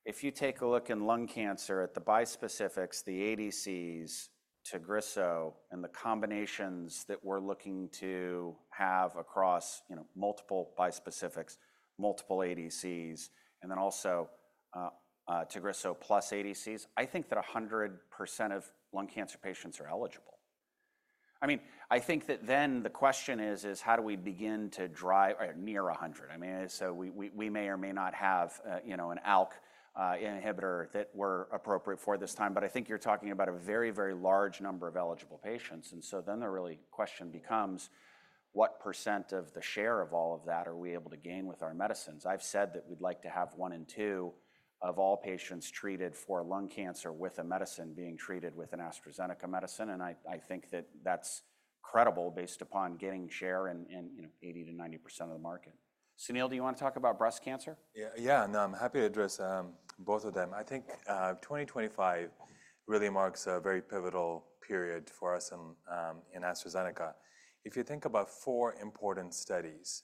if you take a look in lung cancer at the bispecifics, the ADCs, Tagrisso, and the combinations that we're looking to have across, you know, multiple bispecifics, multiple ADCs, and then also Tagrisso plus ADCs, I think that 100% of lung cancer patients are eligible. I mean, I think that then the question is, is how do we begin to drive near a hundred? I mean, so we may or may not have, you know, an ALK inhibitor that we're appropriate for this time, but I think you're talking about a very, very large number of eligible patients. And so then the real question becomes, what percent of the share of all of that are we able to gain with our medicines? I've said that we'd like to have one in two of all patients treated for lung cancer with a medicine being treated with an AstraZeneca medicine, and I, I think that that's credible based upon getting share in, in, you know, 80%-90% of the market. Sunil, do you want to talk about breast cancer? Yeah, yeah, no, I'm happy to address both of them. I think 2025 really marks a very pivotal period for us in AstraZeneca. If you think about four important studies,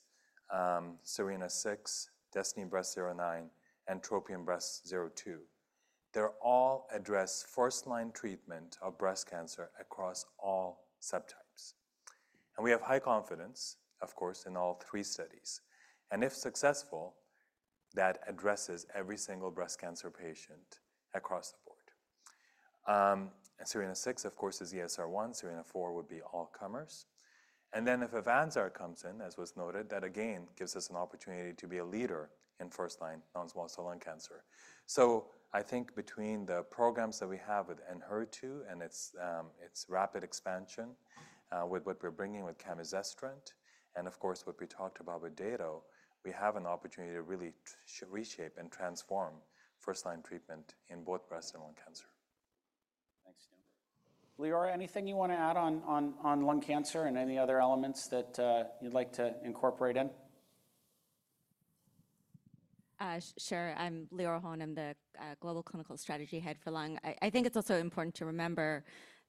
SERENA-6, DESTINY-Breast09, and TROPION-Breast02, they all address first-line treatment of breast cancer across all subtypes. And we have high confidence, of course, in all three studies, and if successful, that addresses every single breast cancer patient across the board. And SERENA-6, of course, is ESR1, SERENA-4 would be all comers. And then if AVANZAR comes in, as was noted, that again gives us an opportunity to be a leader in first-line non-small cell lung cancer. So I think between the programs that we have with Enhertu and its rapid expansion, with what we're bringing with camizestrant, and of course, what we talked about with Dato, we have an opportunity to really reshape and transform first-line treatment in both breast and lung cancer. Thanks, Sunil. Leora, anything you want to add on lung cancer and any other elements that you'd like to incorporate in? Sure. I'm Leora Horn. I'm the Global Clinical Strategy Head for Lung. I think it's also important to remember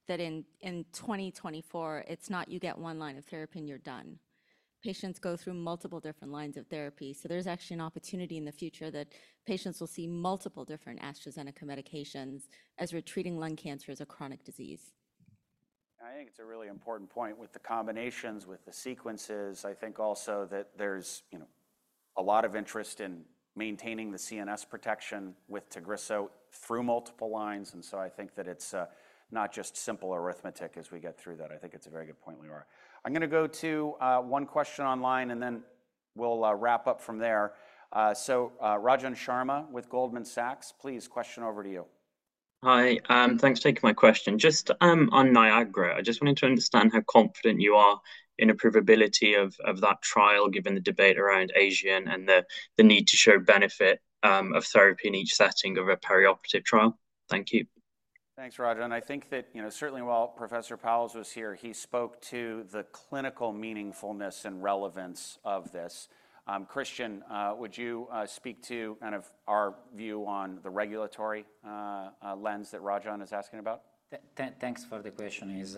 that in 2024, it's not you get one line of therapy and you're done. Patients go through multiple different lines of therapy, so there's actually an opportunity in the future that patients will see multiple different AstraZeneca medications as we're treating lung cancer as a chronic disease. I think it's a really important point with the combinations, with the sequences. I think also that there's, you know, a lot of interest in maintaining the CNS protection with Tagrisso through multiple lines, and so I think that it's not just simple arithmetic as we get through that. I think it's a very good point, Leora. I'm gonna go to one question online, and then we'll wrap up from there. So, Rajan Sharma with Goldman Sachs, please, question over to you. Hi, thanks for taking my question. Just, on NIAGARA, I just wanted to understand how confident you are in approvability of that trial, given the debate around AEGEAN and the need to show benefit of therapy in each setting of a perioperative trial. Thank you. Thanks, Rajan. I think that, you know, certainly while Professor Powles was here, he spoke to the clinical meaningfulness and relevance of this. Christian, would you speak to kind of our view on the regulatory lens that Rajan is asking about? Thanks for the question. It's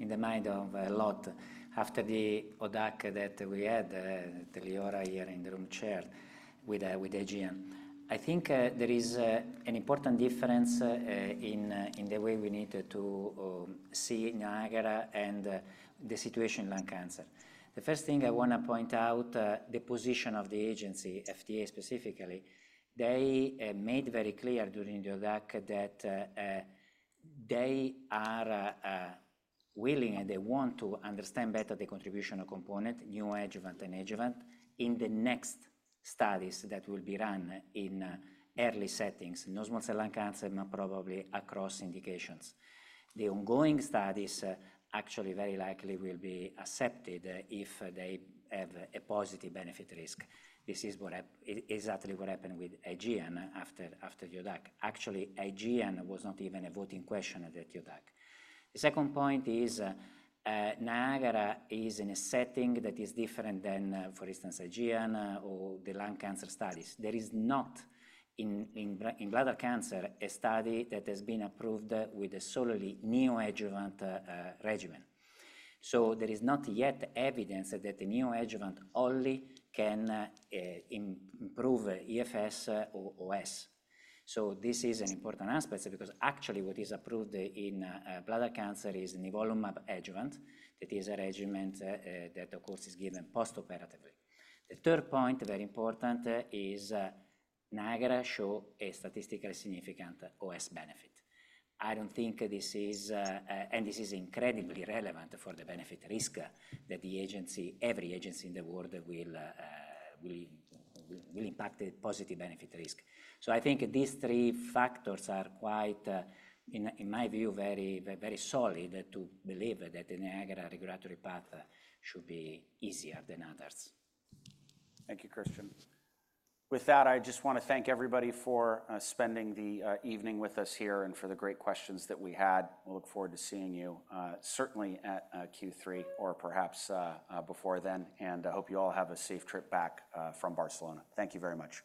in the mind of a lot after the ODAC that we had, that Leora here in the room chaired with AEGEAN. I think there is an important difference in the way we need to see NIAGARA and the situation in lung cancer. The first thing I wanna point out, the position of the agency, FDA specifically, they made very clear during the ODAC that they are willing, and they want to understand better the contribution of component, neoadjuvant and adjuvant, in the next studies that will be run in early settings, non-small cell lung cancer, and probably across indications. The ongoing studies actually very likely will be accepted if they have a positive benefit risk. This is exactly what happened with AEGEAN after ODAC. Actually, AEGEAN was not even a voting question at the ODAC. The second point is, Niagara is in a setting that is different than, for instance, AEGEAN, or the lung cancer studies. There is not in bladder cancer, a study that has been approved with a solely neoadjuvant regimen. So there is not yet evidence that the neoadjuvant only can improve EFS or OS. So this is an important aspect because actually what is approved in bladder cancer is nivolumab adjuvant. That is a regimen that of course, is given post-operatively. The third point, very important, is, Niagara show a statistically significant OS benefit. I don't think this is... This is incredibly relevant for the benefit-risk that the agency, every agency in the world will impact the positive benefit-risk. I think these three factors are quite in my view very, very solid to believe that the NIAGARA regulatory path should be easier than others. Thank you, Christian. With that, I just want to thank everybody for spending the evening with us here and for the great questions that we had. We look forward to seeing you certainly at Q3 or perhaps before then, and I hope you all have a safe trip back from Barcelona. Thank you very much.